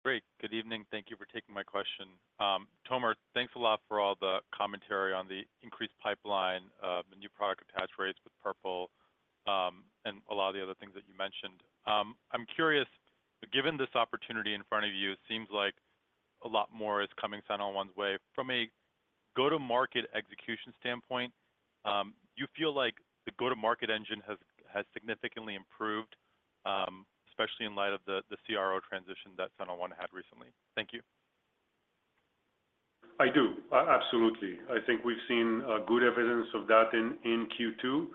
Great. Good evening. Thank you for taking my question. Tomer, thanks a lot for all the commentary on the increased pipeline, the new product attach rates with Purple, and a lot of the other things that you mentioned. I'm curious, given this opportunity in front of you, it seems like a lot more is coming SentinelOne's way. From a go-to-market execution standpoint, do you feel like the go-to-market engine has significantly improved, especially in light of the CRO transition that SentinelOne had recently? Thank you. I do. Absolutely. I think we've seen good evidence of that in Q2.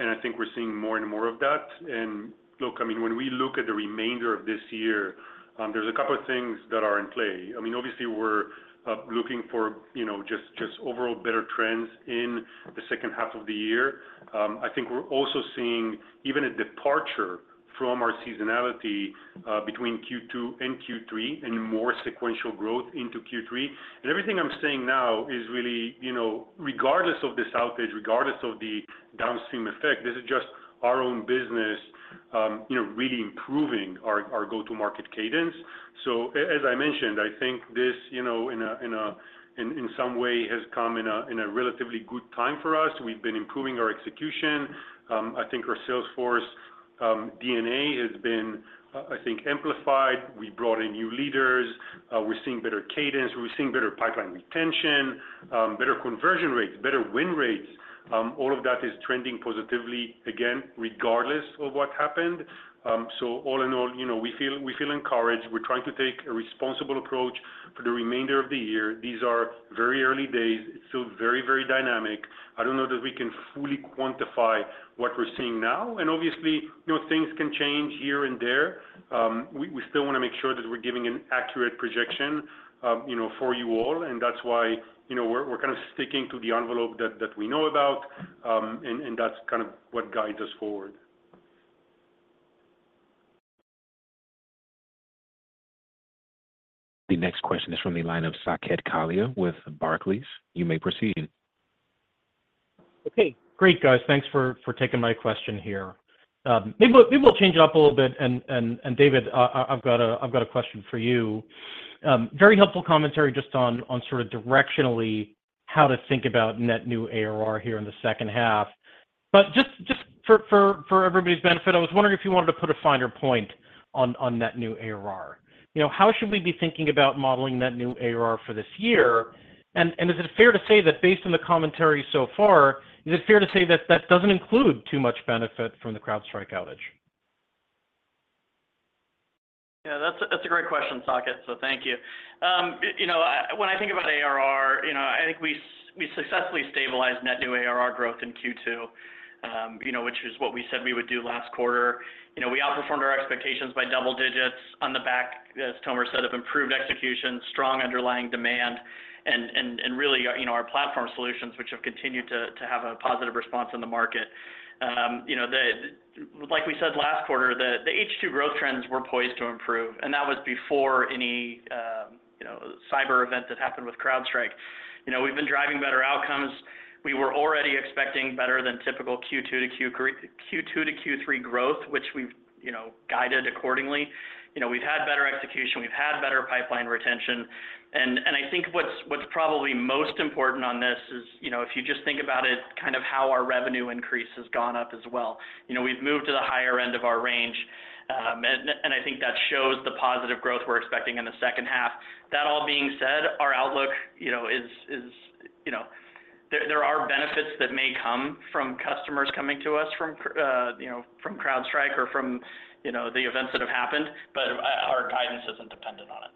And I think we're seeing more and more of that. And look, I mean, when we look at the remainder of this year, there's a couple of things that are in play. I mean, obviously, we're looking for, you know, just overall better trends in the second half of the year. I think we're also seeing even a departure from our seasonality between Q2 and Q3, and more sequential growth into Q3. And everything I'm saying now is really, you know, regardless of this outage, regardless of the downstream effect, this is just our own business, you know, really improving our go-to-market cadence. As I mentioned, I think this, you know, in some way has come in a relatively good time for us. We've been improving our execution. I think our sales force DNA has been, I think amplified. We brought in new leaders. We're seeing better cadence, we're seeing better pipeline retention, better conversion rates, better win rates. All of that is trending positively, again, regardless of what happened. So all in all, you know, we feel encouraged. We're trying to take a responsible approach for the remainder of the year. These are very early days. It's still very, very dynamic. I don't know that we can fully quantify what we're seeing now, and obviously, you know, things can change here and there. We still wanna make sure that we're giving an accurate projection, you know, for you all, and that's why, you know, we're kind of sticking to the envelope that we know about, and that's kind of what guides us forward. The next question is from the line of Saket Kalia with Barclays. You may proceed. Okay, great, guys. Thanks for taking my question here. Maybe we'll change it up a little bit, and David, I've got a question for you. Very helpful commentary just on sort of directionally how to think about net new ARR here in the second half. But just for everybody's benefit, I was wondering if you wanted to put a finer point on net new ARR. You know, how should we be thinking about modeling net new ARR for this year? And is it fair to say that based on the commentary so far, is it fair to say that that doesn't include too much benefit from the CrowdStrike outage? Yeah, that's a great question, Saket, so thank you. You know, when I think about ARR, you know, I think we successfully stabilized net new ARR growth in Q2, you know, which is what we said we would do last quarter. You know, we outperformed our expectations by double digits on the back, as Tomer said, of improved execution, strong underlying demand, and really, you know, our platform solutions, which have continued to have a positive response in the market. Like we said last quarter, the H2 growth trends were poised to improve, and that was before any, you know, cyber event that happened with CrowdStrike. You know, we've been driving better outcomes. We were already expecting better than typical Q2 to Q3 growth, which we've, you know, guided accordingly. You know, we've had better execution, we've had better pipeline retention. And I think what's probably most important on this is, you know, if you just think about it, kind of how our revenue increase has gone up as well. You know, we've moved to the higher end of our range, and I think that shows the positive growth we're expecting in the second half. That all being said, our outlook, you know, is, you know. There are benefits that may come from customers coming to us from CrowdStrike or from, you know, the events that have happened, but our guidance isn't dependent on it.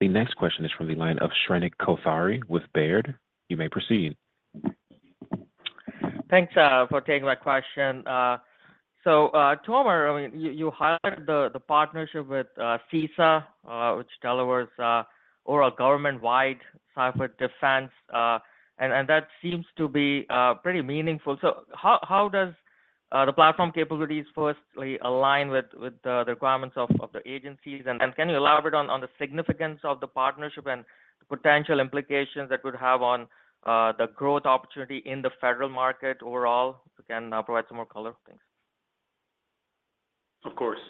The next question is from the line of Shrenik Kothari with Baird. You may proceed. Thanks for taking my question. So, Tomer, I mean, you highlighted the partnership with CISA, which delivers overall government-wide cyber defense, and that seems to be pretty meaningful. So how does the platform capabilities firstly align with the requirements of the agencies? And can you elaborate on the significance of the partnership and the potential implications that could have on the growth opportunity in the federal market overall? If you can provide some more color. Thanks. Of course.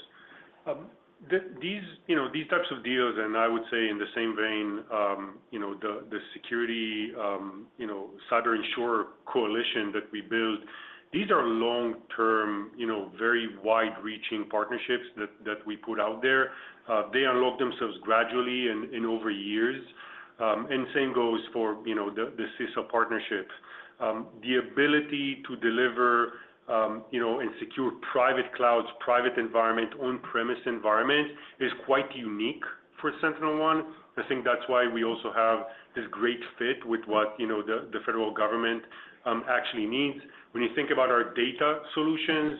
These, you know, these types of deals, and I would say in the same vein, you know, the security, you know, cyber insurer Coalition that we built, these are long-term, you know, very wide-reaching partnerships that we put out there. They unlock themselves gradually and over years. And same goes for, you know, the CISA partnership. The ability to deliver, you know, and secure private clouds, private environment, on-premise environment, is quite unique for SentinelOne. I think that's why we also have this great fit with what, you know, the federal government actually needs. When you think about our data solutions,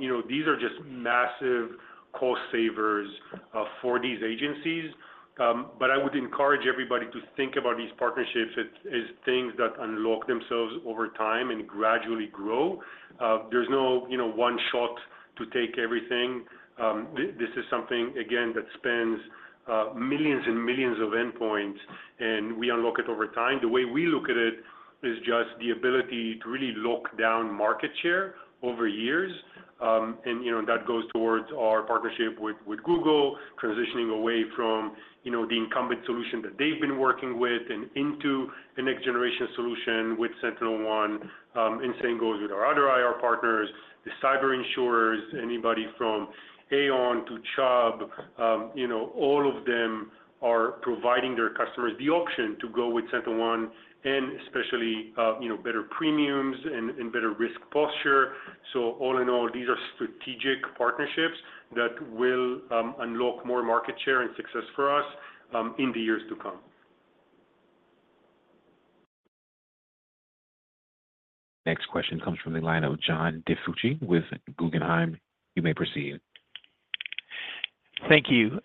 you know, these are just massive cost savers for these agencies. But I would encourage everybody to think about these partnerships as things that unlock themselves over time and gradually grow. There's no, you know, one shot to take everything. This is something, again, that spans millions and millions of endpoints, and we unlock it over time. The way we look at it is just the ability to really lock down market share over years. And, you know, that goes towards our partnership with Google, transitioning away from, you know, the incumbent solution that they've been working with and into the next generation solution with SentinelOne. And same goes with our other IR partners, the cyber insurers, anybody from Aon to Chubb, you know, all of them are providing their customers the option to go with SentinelOne and especially, you know, better premiums and better risk posture. So all in all, these are strategic partnerships that will unlock more market share and success for us in the years to come. Next question comes from the line of John DiFucci with Guggenheim. You may proceed.... Thank you.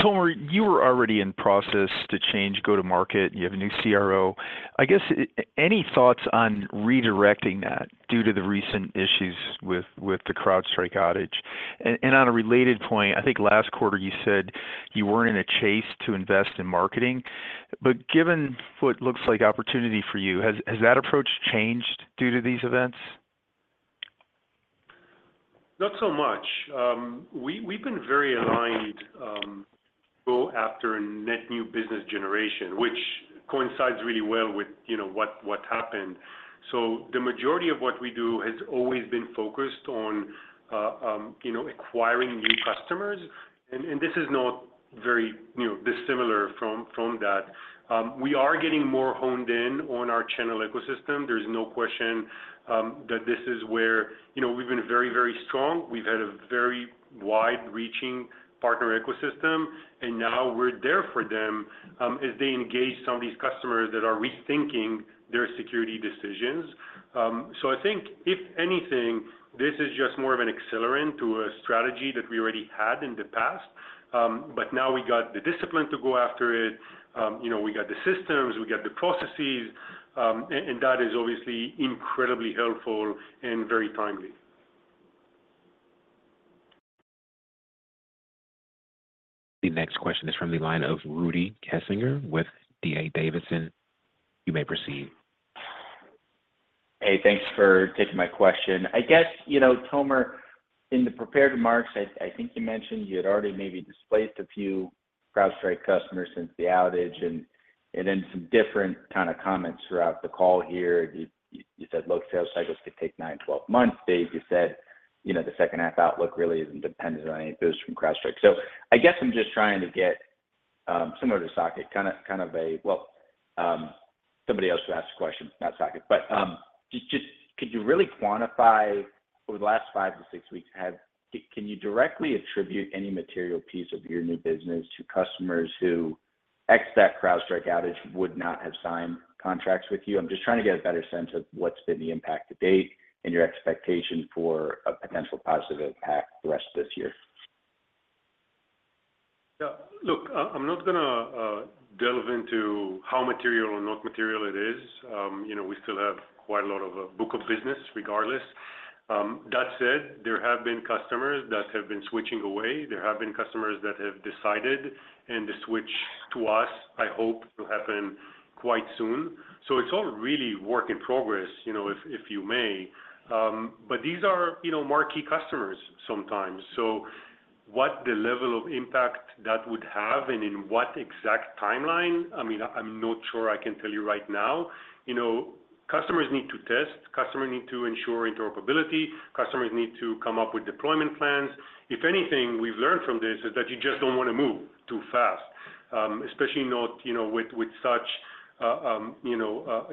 Tomer, you were already in process to change go-to-market. You have a new CRO. I guess, any thoughts on redirecting that due to the recent issues with the CrowdStrike outage? And on a related point, I think last quarter you said you weren't in a rush to invest in marketing, but given what looks like opportunity for you, has that approach changed due to these events? Not so much. We, we've been very aligned to go after a net new business generation, which coincides really well with, you know, what happened. So the majority of what we do has always been focused on, you know, acquiring new customers, and this is not very, you know, dissimilar from that. We are getting more honed in on our channel ecosystem. There's no question that this is where, you know, we've been very, very strong. We've had a very wide-reaching partner ecosystem, and now we're there for them as they engage some of these customers that are rethinking their security decisions. So I think if anything, this is just more of an accelerant to a strategy that we already had in the past. But now we got the discipline to go after it, you know, we got the systems, we got the processes, and that is obviously incredibly helpful and very timely. The next question is from the line of Rudy Kessinger with D.A. Davidson. You may proceed. Hey, thanks for taking my question. I guess, you know, Tomer, in the prepared remarks, I think you mentioned you had already maybe displaced a few CrowdStrike customers since the outage, and then some different kind of comments throughout the call here. You said, look, sales cycles could take nine, twelve months. Dave, you said, you know, the second half outlook really isn't dependent on any of those from CrowdStrike. So I guess I'm just trying to get similar to Saket, kind of a well, somebody else who asked a question, not Saket. But just could you really quantify over the last five to six weeks, can you directly attribute any material piece of your new business to customers who, absent that CrowdStrike outage, would not have signed contracts with you? I'm just trying to get a better sense of what's been the impact to date and your expectation for a potential positive impact the rest of this year. Yeah. Look, I, I'm not gonna delve into how material or not material it is. You know, we still have quite a lot of book of business regardless. That said, there have been customers that have been switching away. There have been customers that have decided, and the switch to us, I hope, will happen quite soon. So it's all really work in progress, you know, if you may. But these are, you know, marquee customers sometimes. So what the level of impact that would have and in what exact timeline, I mean, I'm not sure I can tell you right now. You know, customers need to test, customers need to ensure interoperability, customers need to come up with deployment plans. If anything, we've learned from this is that you just don't want to move too fast, especially not, you know, with such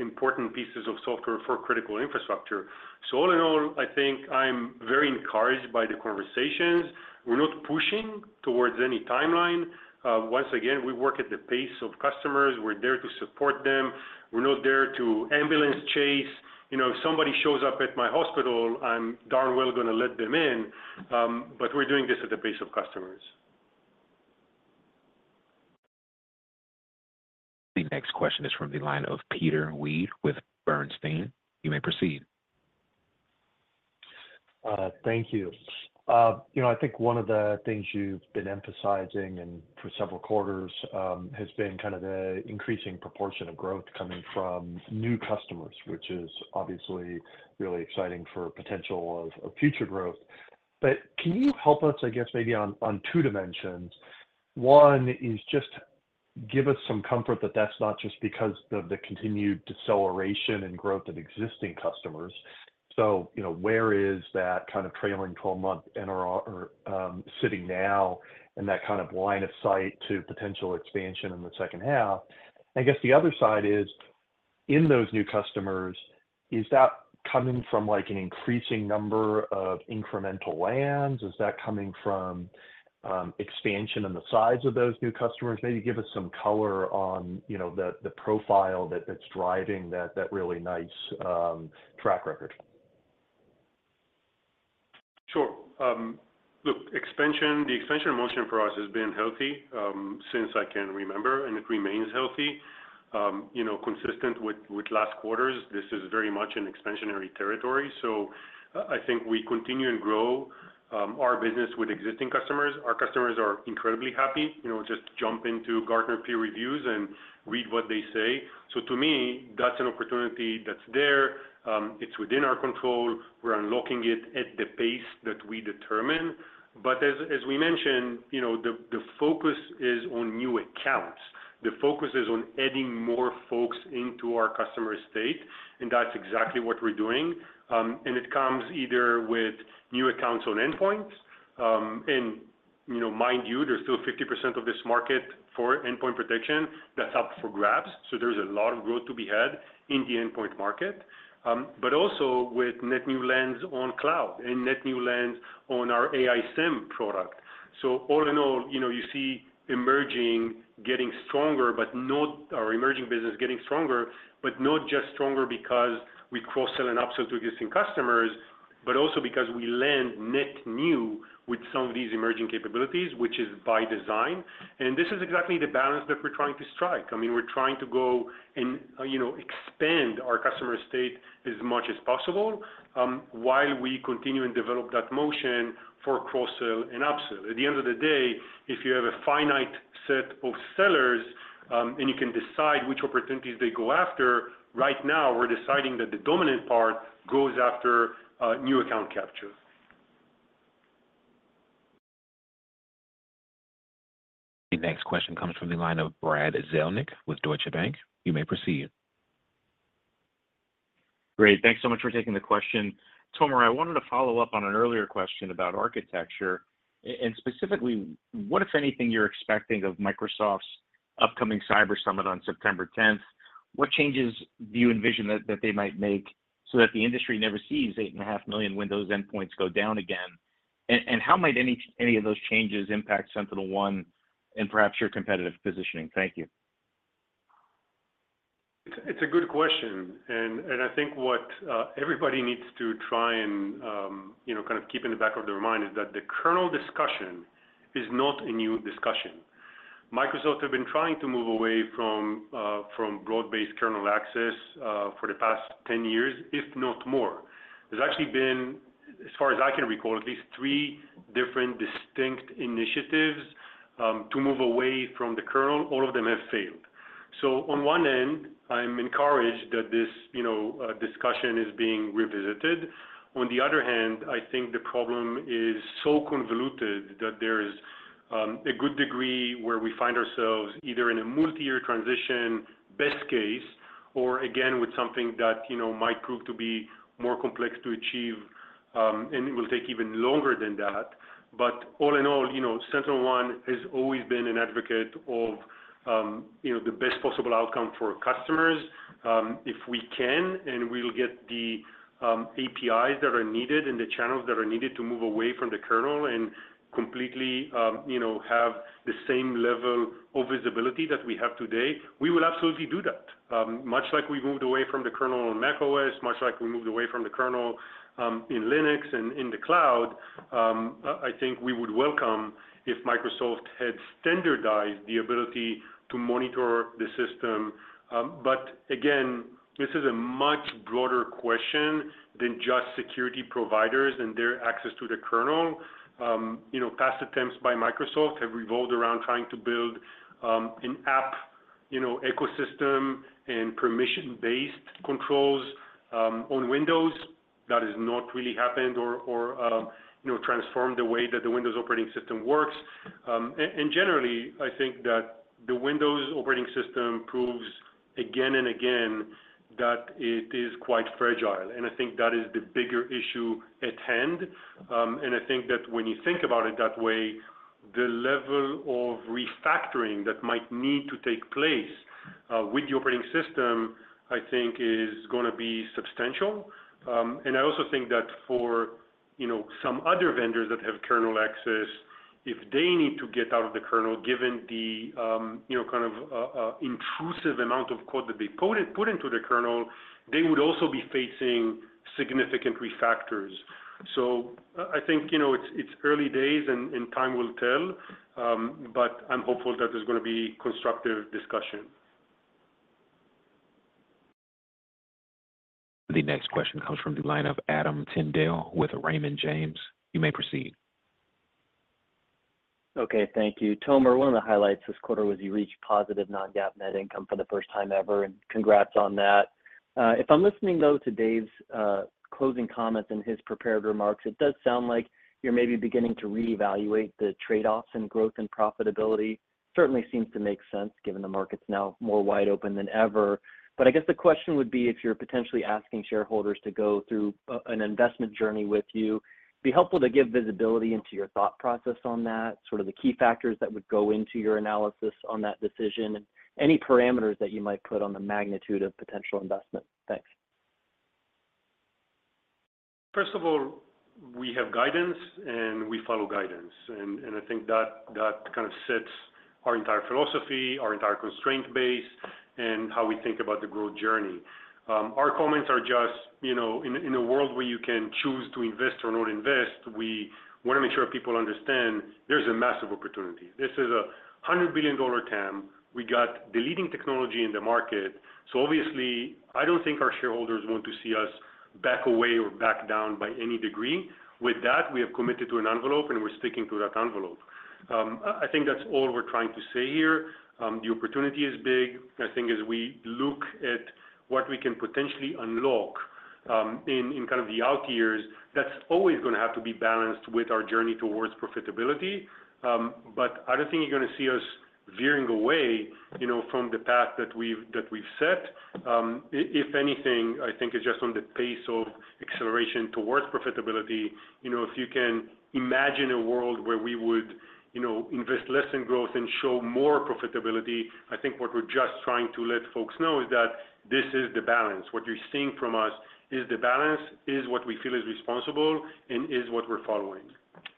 important pieces of software for critical infrastructure, so all in all, I think I'm very encouraged by the conversations. We're not pushing towards any timeline. Once again, we work at the pace of customers. We're there to support them. We're not there to ambulance chase. You know, if somebody shows up at my hospital, I'm darn well gonna let them in, but we're doing this at the pace of customers. The next question is from the line of Peter Weed with Bernstein. You may proceed. Thank you. You know, I think one of the things you've been emphasizing, and for several quarters, has been kind of the increasing proportion of growth coming from new customers, which is obviously really exciting for potential of future growth, but can you help us, I guess, maybe on two dimensions? One is just give us some comfort that that's not just because of the continued deceleration in growth of existing customers, so you know, where is that kind of trailing twelve-month NRR or sitting now in that kind of line of sight to potential expansion in the second half? I guess the other side is, in those new customers, is that coming from, like, an increasing number of incremental lands? Is that coming from expansion in the size of those new customers? Maybe give us some color on, you know, the profile that's driving that really nice track record. Sure. Look, the expansion motion for us has been healthy, since I can remember, and it remains healthy. You know, consistent with last quarters, this is very much an expansionary territory. So I think we continue and grow our business with existing customers. Our customers are incredibly happy. You know, just jump into Gartner Peer Reviews and read what they say. So to me, that's an opportunity that's there. It's within our control. We're unlocking it at the pace that we determine. But as we mentioned, you know, the focus is on new accounts. The focus is on adding more folks into our customer estate, and that's exactly what we're doing. And it comes either with new accounts on endpoints, and, you know, mind you, there's still 50% of this market for endpoint protection that's up for grabs, so there's a lot of growth to be had in the endpoint market. But also with net new lands on cloud and net new lands on our AI SIEM product. So all in all, you know, you see emerging getting stronger, but not... Our emerging business getting stronger, but not just stronger because we cross-sell and upsell to existing customers... but also because we land net new with some of these emerging capabilities, which is by design. And this is exactly the balance that we're trying to strike. I mean, we're trying to go and, you know, expand our customer base as much as possible, while we continue and develop that motion for cross-sell and upsell. At the end of the day, if you have a finite set of sellers, and you can decide which opportunities they go after, right now, we're deciding that the dominant part goes after new account captures. The next question comes from the line of Brad Zelnick with Deutsche Bank. You may proceed. Great. Thanks so much for taking the question. Tomer, I wanted to follow up on an earlier question about architecture. And specifically, what, if anything, you're expecting of Microsoft's upcoming Cyber Summit on September tenth? What changes do you envision that they might make so that the industry never sees eight and a half million Windows endpoints go down again? And how might any of those changes impact SentinelOne and perhaps your competitive positioning? Thank you. It's a good question. I think what everybody needs to try and, you know, kind of keep in the back of their mind is that the kernel discussion is not a new discussion. Microsoft have been trying to move away from broad-based kernel access for the past ten years, if not more. There's actually been, as far as I can recall, at least three different distinct initiatives to move away from the kernel. All of them have failed. So on one end, I'm encouraged that this, you know, discussion is being revisited. On the other hand, I think the problem is so convoluted that there is a good degree where we find ourselves either in a multi-year transition, best case, or again, with something that, you know, might prove to be more complex to achieve, and it will take even longer than that. But all in all, you know, SentinelOne has always been an advocate of, you know, the best possible outcome for customers. If we can, and we'll get the APIs that are needed and the channels that are needed to move away from the kernel and completely, you know, have the same level of visibility that we have today, we will absolutely do that. Much like we moved away from the kernel on macOS, much like we moved away from the kernel in Linux and in the cloud, I think we would welcome if Microsoft had standardized the ability to monitor the system. But again, this is a much broader question than just security providers and their access to the kernel. You know, past attempts by Microsoft have revolved around trying to build an app, you know, ecosystem and permission-based controls on Windows. That has not really happened or, you know, transformed the way that the Windows operating system works. And generally, I think that the Windows operating system proves again and again that it is quite fragile, and I think that is the bigger issue at hand. And I think that when you think about it that way, the level of refactoring that might need to take place with the operating system, I think is gonna be substantial. And I also think that for, you know, some other vendors that have kernel access, if they need to get out of the kernel, given the, you know, kind of intrusive amount of code that they put into the kernel, they would also be facing significant refactors. So, I think, you know, it's early days and time will tell, but I'm hopeful that there's gonna be constructive discussion. The next question comes from the line of Adam Tindle with Raymond James. You may proceed. Okay, thank you. Tomer, one of the highlights this quarter was you reached positive non-GAAP net income for the first time ever, and congrats on that. If I'm listening, though, to Dave's closing comments and his prepared remarks, it does sound like you're maybe beginning to reevaluate the trade-offs in growth and profitability. Certainly seems to make sense, given the market's now more wide open than ever. But I guess the question would be, if you're potentially asking shareholders to go through an investment journey with you, be helpful to give visibility into your thought process on that, sort of the key factors that would go into your analysis on that decision, and any parameters that you might put on the magnitude of potential investment. Thanks. First of all, we have guidance, and we follow guidance. I think that kind of sets our entire philosophy, our entire constraint base, and how we think about the growth journey. Our comments are just, you know, in a world where you can choose to invest or not invest, we wanna make sure people understand there's a massive opportunity. This is a $100 billion TAM. We got the leading technology in the market, so obviously, I don't think our shareholders want to see us back away or back down by any degree. With that, we have committed to an envelope, and we're sticking to that envelope. I think that's all we're trying to say here. The opportunity is big. I think as we look at what we can potentially unlock in kind of the out years, that's always gonna have to be balanced with our journey towards profitability. But I don't think you're gonna see us veering away, you know, from the path that we've set. If anything, I think it's just on the pace of acceleration towards profitability. You know, if you can imagine a world where we would, you know, invest less in growth and show more profitability, I think what we're just trying to let folks know is that this is the balance. What you're seeing from us is the balance, is what we feel is responsible, and is what we're following....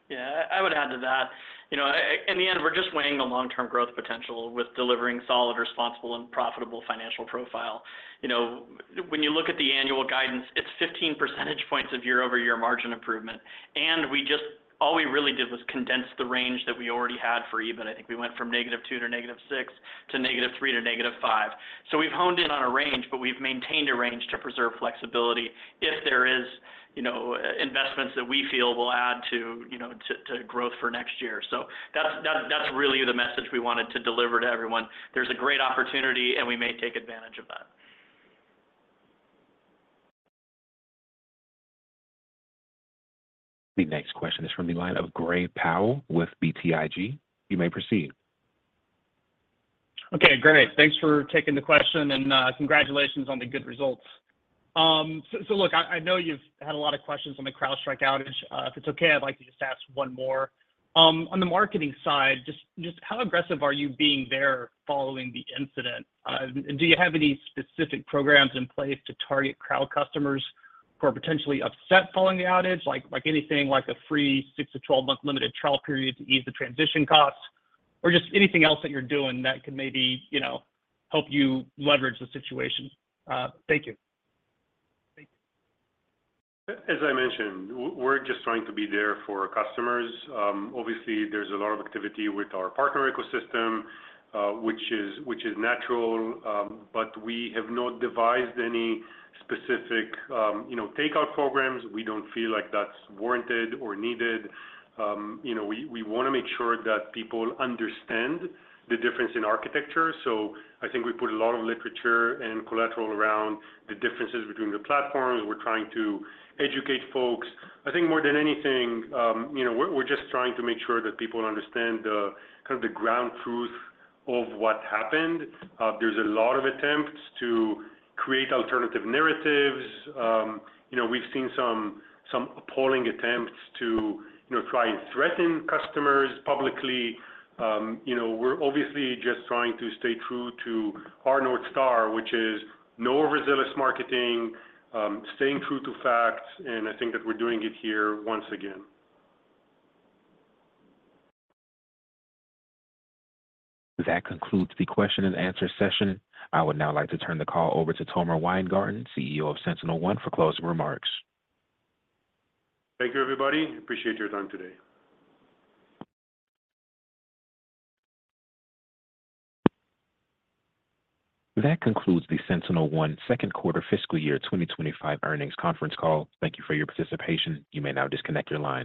Yeah, I would add to that. You know, in the end, we're just weighing the long-term growth potential with delivering solid, responsible, and profitable financial profile. You know, when you look at the annual guidance, it's 15 percentage points of year-over-year margin improvement, and we just all we really did was condense the range that we already had for even. I think we went from negative two to negative six, to negative three to negative five. So we've honed in on a range, but we've maintained a range to preserve flexibility if there is, you know, investments that we feel will add to, you know, growth for next year. So that's really the message we wanted to deliver to everyone. There's a great opportunity, and we may take advantage of that. The next question is from the line of Gray Powell with BTIG. You may proceed. Okay, great. Thanks for taking the question, and, congratulations on the good results. So look, I know you've had a lot of questions on the CrowdStrike outage. If it's okay, I'd like to just ask one more. On the marketing side, just how aggressive are you being there following the incident? And do you have any specific programs in place to target CrowdStrike customers who are potentially upset following the outage? Like, like anything, like a free six to 12-month limited trial period to ease the transition costs, or just anything else that you're doing that can maybe, you know, help you leverage the situation? Thank you. As I mentioned, we're just trying to be there for our customers. Obviously, there's a lot of activity with our partner ecosystem, which is natural, but we have not devised any specific, you know, takeout programs. We don't feel like that's warranted or needed. You know, we wanna make sure that people understand the difference in architecture. So I think we put a lot of literature and collateral around the differences between the platforms. We're trying to educate folks. I think more than anything, you know, we're just trying to make sure that people understand the kind of the ground truth of what happened. There's a lot of attempts to create alternative narratives. You know, we've seen some appalling attempts to try and threaten customers publicly. You know, we're obviously just trying to stay true to our North Star, which is no resilience marketing, staying true to facts, and I think that we're doing it here once again. That concludes the question and answer session. I would now like to turn the call over to Tomer Weingarten, CEO of SentinelOne, for closing remarks. Thank you, everybody. Appreciate your time today. That concludes the SentinelOne Q2 fiscal year twenty twenty-five earnings conference call. Thank you for your participation. You may now disconnect your line.